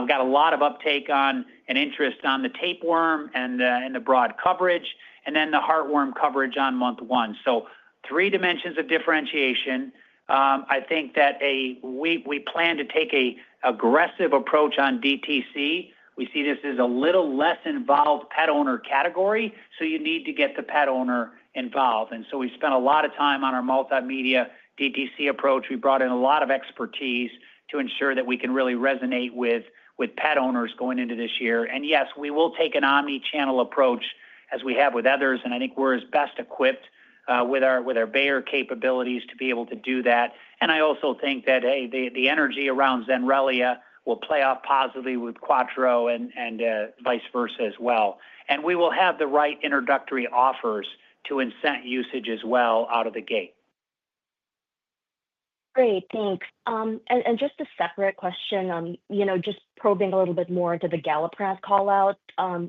We've got a lot of uptake on and interest on the tapeworm and the broad coverage, and then the heartworm coverage on month one, so three dimensions of differentiation. I think that we plan to take an aggressive approach on DTC. We see this as a little less involved pet owner category, so you need to get the pet owner involved. And so we spent a lot of time on our multimedia DTC approach. We brought in a lot of expertise to ensure that we can really resonate with pet owners going into this year. And yes, we will take an omnichannel approach as we have with others, and I think we're as best equipped with our Bayer capabilities to be able to do that. And I also think that, hey, the energy around Zenrelia will play off positively with Quattro and vice-versa as well. And we will have the right introductory offers to incent usage as well out of the gate. Great. Thanks. Just a separate question, just probing a little bit more into the Galliprant callout.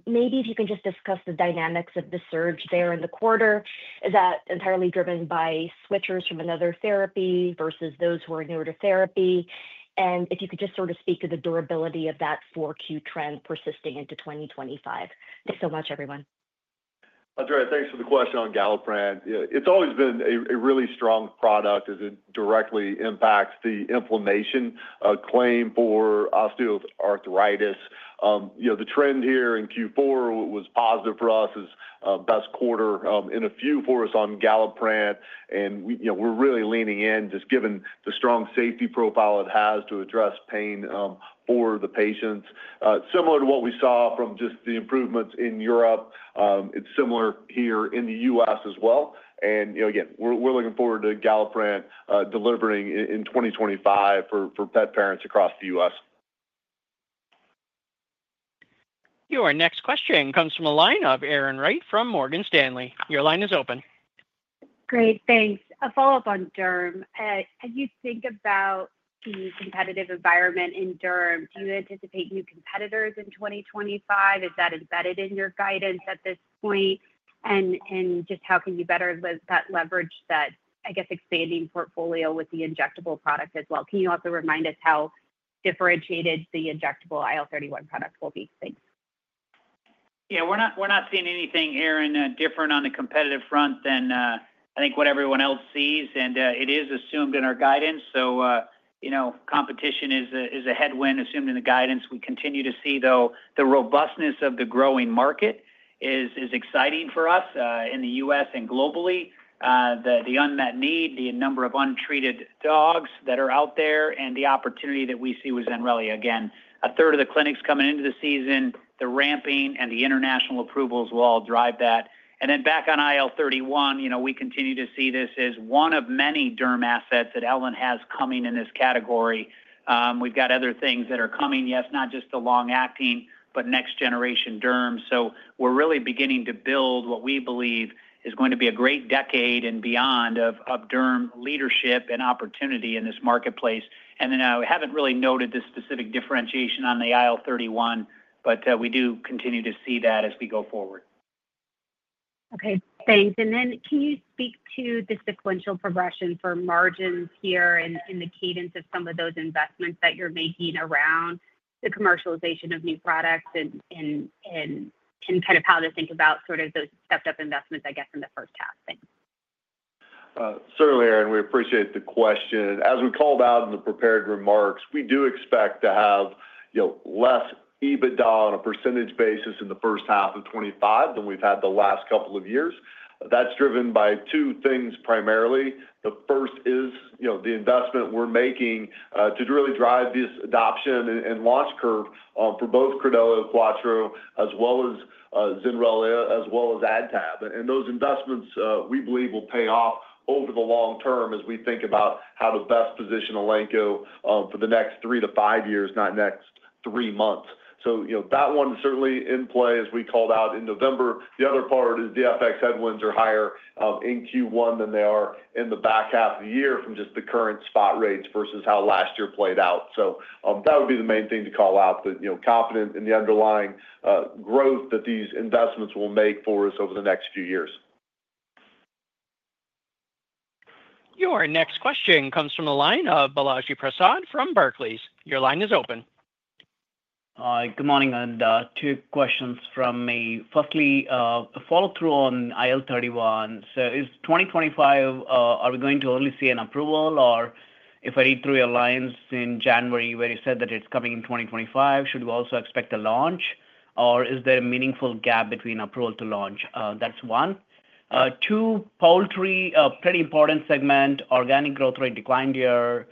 Maybe if you can just discuss the dynamics of the surge there in the quarter. Is that entirely driven by switchers from another therapy versus those who are newer to therapy? And if you could just sort of speak to the durability of that 4Q trend persisting into 2025. Thanks so much, everyone. Andrea, thanks for the question on Galliprant. It's always been a really strong product as it directly impacts the inflammation claim for osteoarthritis. The trend here in Q4 was positive for us as best quarter in a few for us on Galliprant. And we're really leaning in just given the strong safety profile it has to address pain for the patients. Similar to what we saw from just the improvements in Europe, it's similar here in the U.S. as well. And again, we're looking forward to Galliprant delivering in 2025 for pet parents across the U.S. Your next question comes from a line of Erin Wright from Morgan Stanley. Your line is open. Great. Thanks. A follow-up on derm. As you think about the competitive environment in derm, do you anticipate new competitors in 2025? Is that embedded in your guidance at this point? And just how can you better leverage that, I guess, expanding portfolio with the injectable product as well? Can you also remind us how differentiated the injectable IL-31 product will be? Thanks. Yeah, we're not seeing anything, Erin, different on the competitive front than I think what everyone else sees. And it is assumed in our guidance. So competition is a headwind assumed in the guidance. We continue to see, though, the robustness of the growing market is exciting for us in the U.S. and globally. The unmet need, the number of untreated dogs that are out there, and the opportunity that we see with Zenrelia. Again, a third of the clinics coming into the season, the ramping and the international approvals will all drive that. And then back on IL-31, we continue to see this as one of many derm assets that Ellen has coming in this category. We've got other things that are coming, yes, not just the long-acting, but next-generation derm. So we're really beginning to build what we believe is going to be a great decade and beyond of derm leadership and opportunity in this marketplace. And then I haven't really noted this specific differentiation on the IL-31, but we do continue to see that as we go forward. Okay. Thanks. And then can you speak to the sequential progression for margins here and the cadence of some of those investments that you're making around the commercialization of new products and kind of how to think about sort of those stepped-up investments, I guess, in the first half? Thanks. Certainly, Erin, we appreciate the question. As we called out in the prepared remarks, we do expect to have less EBITDA on a percentage basis in the first half of 2025 than we've had the last couple of years. That's driven by two things primarily. The first is the investment we're making to really drive this adoption and launch curve for both Credelio Quattro as well as Zenrelia as well as AdTab. Those investments, we believe, will pay off over the long term as we think about how to best position Elanco for the next three to five years, not next three months. So that one's certainly in play, as we called out in November. The other part is the FX headwinds are higher in Q1 than they are in the back half of the year from just the current spot rates versus how last year played out. So that would be the main thing to call out, the confidence in the underlying growth that these investments will make for us over the next few years. Your next question comes from a line of Balaji Prasad from Barclays. Your line is open. Hi, good morning. And two questions from me. Firstly, a follow-through on IL-31. So is 2025, are we going to only see an approval? Or if I read through your lines in January where you said that it's coming in 2025, should we also expect a launch? Or is there a meaningful gap between approval to launch? That's one. Two, poultry, a pretty important segment, organic growth rate declined here.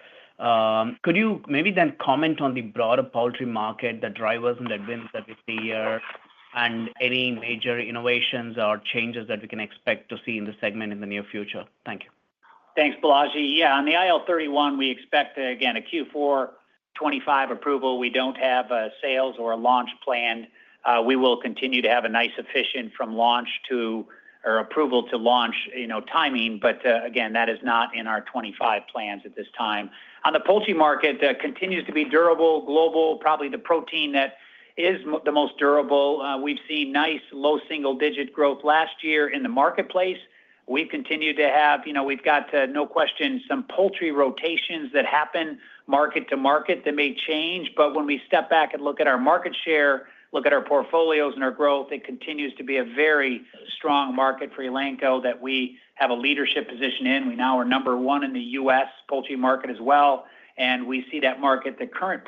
Could you maybe then comment on the broader poultry market, the drivers and events that we see here, and any major innovations or changes that we can expect to see in the segment in the near future? Thank you. Thanks, Balaji. Yeah, on the IL-31, we expect, again, a Q4 2025 approval. We don't have a sales or a launch planned. We will continue to have a nice efficient from approval to launch timing. But again, that is not in our 2025 plans at this time. The poultry market continues to be durable, global, probably the protein that is the most durable. We've seen nice low single-digit growth last year in the marketplace. We've continued to have, we've got no question, some poultry rotations that happen market to market that may change. But when we step back and look at our market share, look at our portfolios and our growth, it continues to be a very strong market for Elanco that we have a leadership position in. We now are number one in the U.S. poultry market as well. And we see that market continues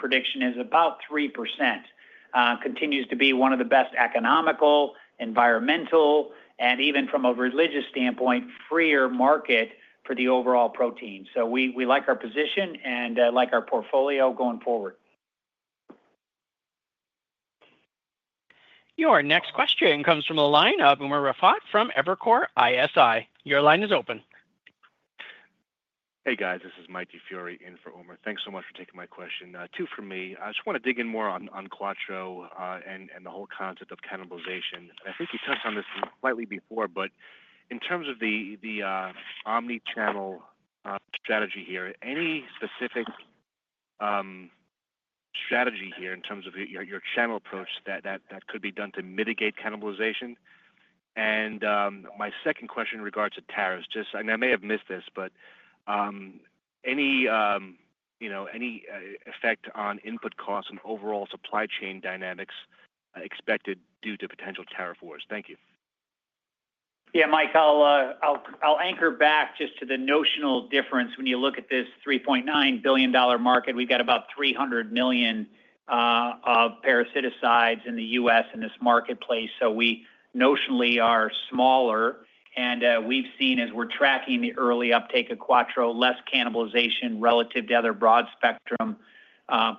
to be one of the best economical, environmental, and even from a religious standpoint, free market for the overall protein. So we like our position and like our portfolio going forward. Your next question comes from a line of Umer Raffat from Evercore ISI. Your line is open. Hey, guys, this is Mike DiFiore in for Umer. Thanks so much for taking my question. Two for me. I just want to dig in more on Quattro and the whole concept of cannibalization. And I think you touched on this slightly before, but in terms of the omnichannel strategy here, any specific strategy here in terms of your channel approach that could be done to mitigate cannibalization? And my second question in regards to tariffs, just, and I may have missed this, but any effect on input costs and overall supply chain dynamics expected due to potential tariff wars? Thank you. Yeah, Mike, I'll anchor back just to the notional difference. When you look at this $3.9 billion market, we've got about 300 million parasiticides in the U.S. in this marketplace. So we notionally are smaller. We've seen, as we're tracking the early uptake of Quattro, less cannibalization relative to other broad-spectrum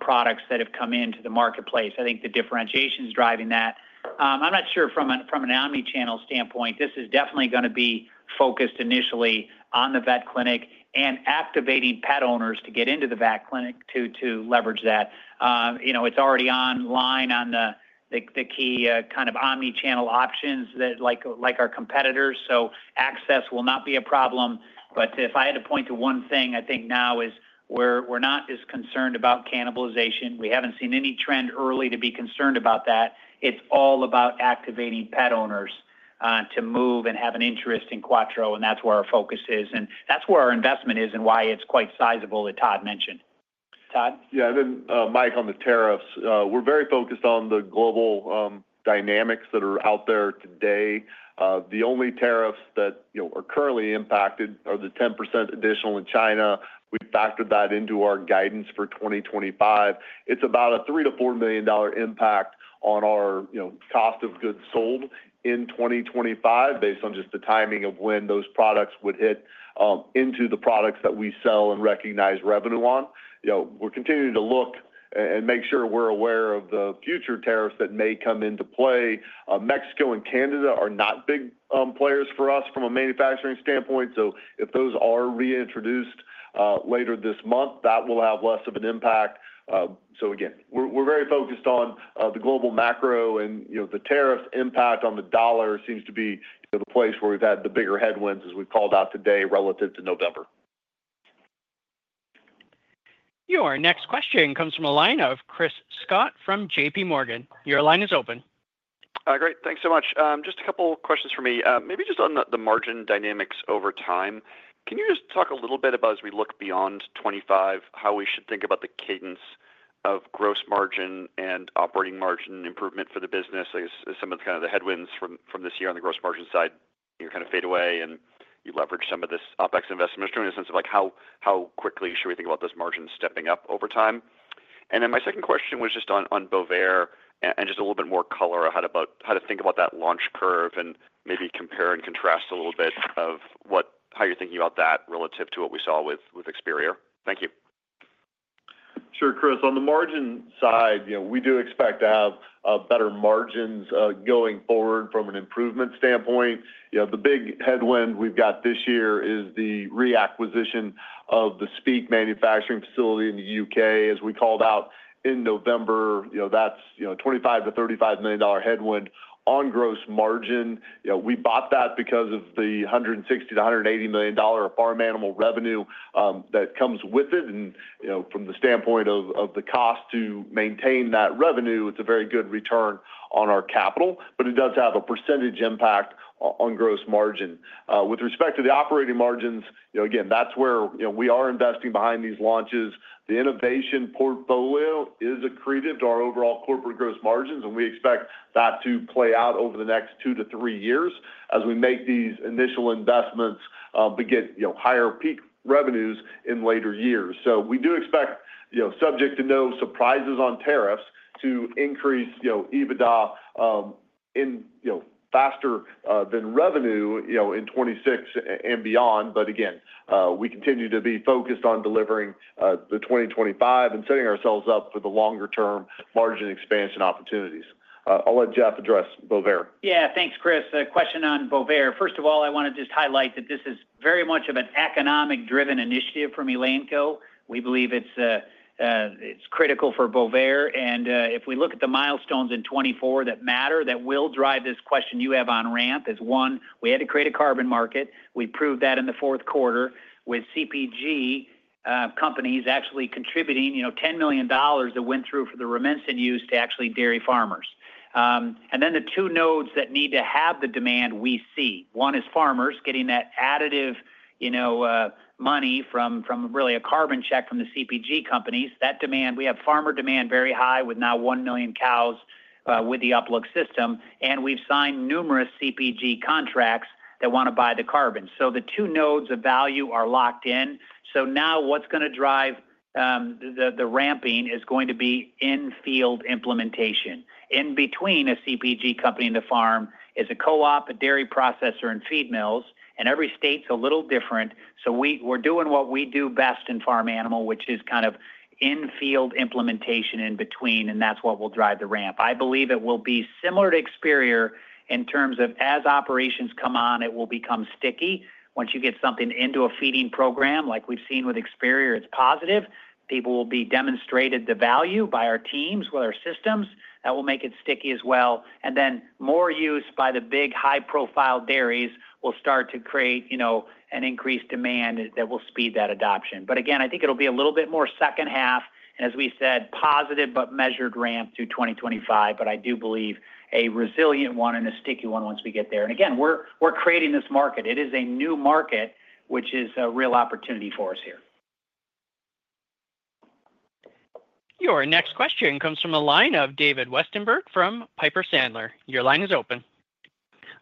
products that have come into the marketplace. I think the differentiation is driving that. I'm not sure from an omnichannel standpoint. This is definitely going to be focused initially on the vet clinic and activating pet owners to get into the vet clinic to leverage that. It's already online on the key kind of omnichannel options like our competitors. So access will not be a problem. But if I had to point to one thing, I think now is we're not as concerned about cannibalization. We haven't seen any trend early to be concerned about that. It's all about activating pet owners to move and have an interest in Quattro. And that's where our focus is. And that's where our investment is and why it's quite sizable that Todd mentioned. Todd? Yeah, and then Mike on the tariffs. We're very focused on the global dynamics that are out there today. The only tariffs that are currently impacted are the 10% additional in China. We've factored that into our guidance for 2025. It's about a $3 million-$4 million impact on our cost of goods sold in 2025 based on just the timing of when those products would hit into the products that we sell and recognize revenue on. We're continuing to look and make sure we're aware of the future tariffs that may come into play. Mexico and Canada are not big players for us from a manufacturing standpoint. So if those are reintroduced later this month, that will have less of an impact. So again, we're very focused on the global macro and the tariffs impact on the dollar seems to be the place where we've had the bigger headwinds, as we called out today, relative to November. Your next question comes from a line of Chris Schott from JPMorgan. Your line is open. Great. Thanks so much. Just a couple of questions for me. Maybe just on the margin dynamics over time. Can you just talk a little bit about, as we look beyond 2025, how we should think about the cadence of gross margin and operating margin improvement for the business as some of the kind of the headwinds from this year on the gross margin side kind of fade away and you leverage some of this OPEX investment? Just trying to sense of how quickly should we think about those margins stepping up over time. And then my second question was just on Bovaer and just a little bit more color on how to think about that launch curve and maybe compare and contrast a little bit of how you're thinking about that relative to what we saw with Experior. Thank you. Sure, Chris. On the margin side, we do expect to have better margins going forward from an improvement standpoint. The big headwind we've got this year is the reacquisition of the Speke manufacturing facility in the U.K. As we called out in November, that's a $25 million-$35 million headwind on gross margin. We bought that because of the $160 million-$180 million of farm animal revenue that comes with it. And from the standpoint of the cost to maintain that revenue, it's a very good return on our capital. But it does have a percentage impact on gross margin. With respect to the operating margins, again, that's where we are investing behind these launches. The innovation portfolio is accretive to our overall corporate gross margins, and we expect that to play out over the next two to three years as we make these initial investments but get higher peak revenues in later years, so we do expect, subject to no surprises on tariffs, to increase EBITDA faster than revenue in 2026 and beyond, but again, we continue to be focused on delivering the 2025 and setting ourselves up for the longer-term margin expansion opportunities. I'll let Jeff address Bovaer. Yeah, thanks, Chris. Question on Bovaer. First of all, I want to just highlight that this is very much of an economic-driven initiative from Elanco. We believe it's critical for Bovaer. And if we look at the milestones in 2024 that matter that will drive this question you have on ramp, is one. We had to create a carbon market. We proved that in the fourth quarter with CPG companies actually contributing $10 million that went through for the Rumensin use to actually dairy farmers. And then the two nodes that need to have the demand we see. One is farmers getting that additive money from really a carbon check from the CPG companies, that demand. We have farmer demand very high with now 1 million cows with the UpLook system. And we've signed numerous CPG contracts that want to buy the carbon. So the two nodes of value are locked in. So now what's going to drive the ramping is going to be in-field implementation. In between a CPG company and the farm is a co-op, a dairy processor, and feed mills, and every state's a little different, so we're doing what we do best in farm animal, which is kind of in-field implementation in between, and that's what will drive the ramp. I believe it will be similar to Experior in terms of as operations come on, it will become sticky. Once you get something into a feeding program like we've seen with Experior, it's positive. People will be demonstrated the value by our teams with our systems. That will make it sticky as well, and then more use by the big high-profile dairies will start to create an increased demand that will speed that adoption, but again, I think it'll be a little bit more second half, and as we said, positive but measured ramp through 2025. But I do believe a resilient one and a sticky one once we get there. And again, we're creating this market. It is a new market, which is a real opportunity for us here. Your next question comes from a line of David Westenberg from Piper Sandler. Your line is open.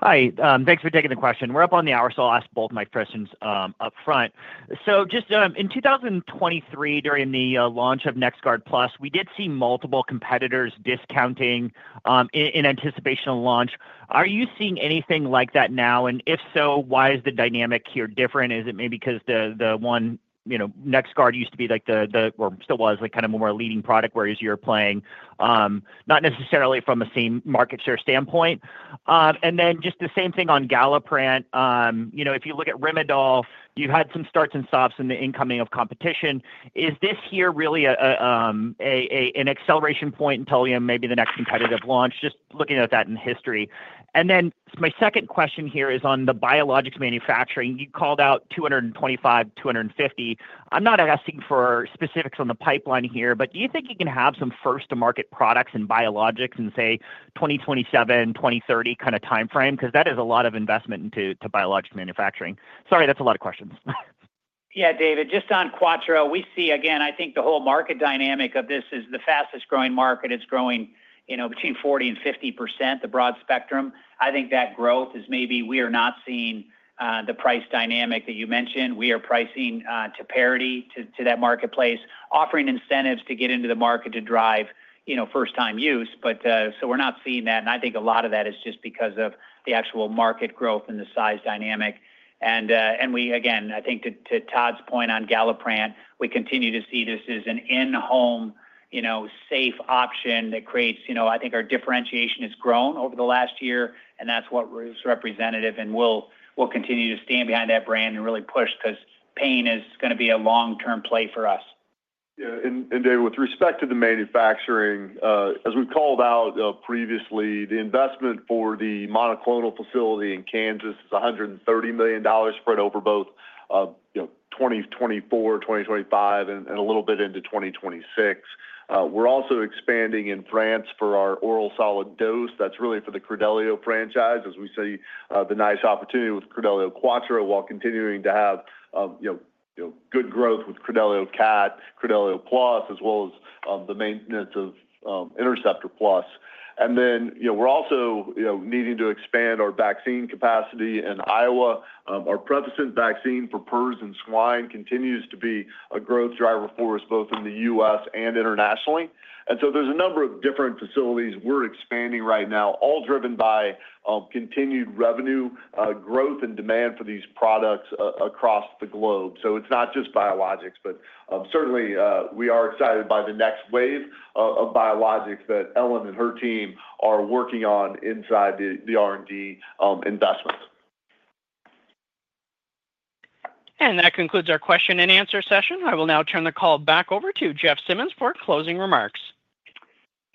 Hi. Thanks for taking the question. We're up on the hour, so I'll ask both my questions upfront. So just in 2023, during the launch of NexGard PLUS, we did see multiple competitors discounting in anticipation of launch. Are you seeing anything like that now? And if so, why is the dynamic here different? Is it maybe because the one NexGard used to be like the, or still was, kind of more of a leading product whereas you're playing, not necessarily from a same market share standpoint? And then just the same thing on Galliprant. If you look at Rimadyl, you've had some starts and stops in the incoming of competition. Is this here really an acceleration point until maybe the next competitive launch? Just looking at that in history. And then my second question here is on the biologics manufacturing. You called out 225, 250. I'm not asking for specifics on the pipeline here, but do you think you can have some first-to-market products in biologics in, say, 2027, 2030 kind of timeframe? Because that is a lot of investment into biologic manufacturing. Sorry, that's a lot of questions. Yeah, David, just on Quattro, we see, again, I think the whole market dynamic of this is the fastest growing market. It's growing between 40% and 50%, the broad spectrum. I think that growth is maybe we are not seeing the price dynamic that you mentioned. We are pricing to parity to that marketplace, offering incentives to get into the market to drive first-time use. But so we're not seeing that. And I think a lot of that is just because of the actual market growth and the size dynamic. And we, again, I think to Todd's point on Galliprant, we continue to see this as an in-home, safe option that creates, I think our differentiation has grown over the last year. And that's what is representative. And we'll continue to stand behind that brand and really push because pain is going to be a long-term play for us. Yeah. And David, with respect to the manufacturing, as we called out previously, the investment for the monoclonal facility in Kansas is $130 million spread over both 2024, 2025, and a little bit into 2026. We're also expanding in France for our oral solid dose. That's really for the Credelio franchise, as we see the nice opportunity with Credelio Quattro while continuing to have good growth with Credelio Cat, Credelio Plus, as well as the maintenance of Interceptor Plus. And then we're also needing to expand our vaccine capacity in Iowa. Our Prevacent vaccine for PRRS in swine continues to be a growth driver for us both in the U.S. and internationally. And so there's a number of different facilities we're expanding right now, all driven by continued revenue growth and demand for these products across the globe. So it's not just biologics, but certainly we are excited by the next wave of biologics that Ellen and her team are working on inside the R&D investment. And that concludes our question and answer session. I will now turn the call back over to Jeff Simmons for closing remarks.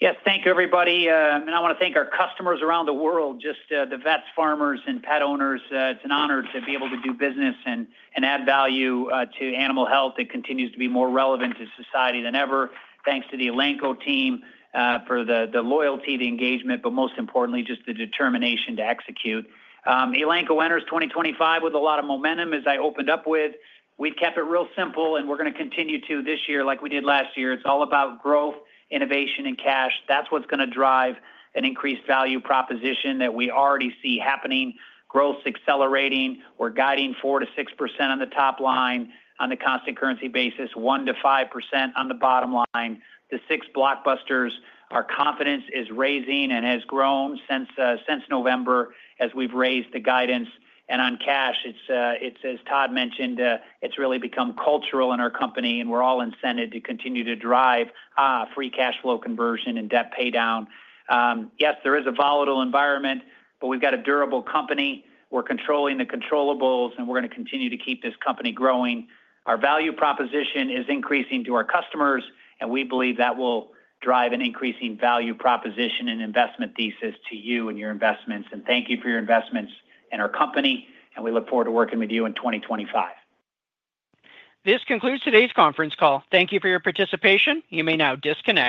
Yep. Thank you, everybody. I want to thank our customers around the world, just the vets, farmers, and pet owners. It's an honor to be able to do business and add value to animal health that continues to be more relevant to society than ever. Thanks to the Elanco team for the loyalty, the engagement, but most importantly, just the determination to execute. Elanco enters 2025 with a lot of momentum, as I opened up with. We've kept it real simple, and we're going to continue to this year like we did last year. It's all about growth, innovation, and cash. That's what's going to drive an increased value proposition that we already see happening. Growth's accelerating. We're guiding 4%-6% on the top line on the constant currency basis, 1%-5% on the bottom line. The six blockbusters, our confidence is raising and has grown since November as we've raised the guidance. And on cash, it's, as Todd mentioned, it's really become cultural in our company, and we're all incented to continue to drive free cash flow conversion and debt pay down. Yes, there is a volatile environment, but we've got a durable company. We're controlling the controllable, and we're going to continue to keep this company growing. Our value proposition is increasing to our customers, and we believe that will drive an increasing value proposition and investment thesis to you and your investments. And thank you for your investments in our company. And we look forward to working with you in 2025. This concludes today's conference call. Thank you for your participation. You may now disconnect.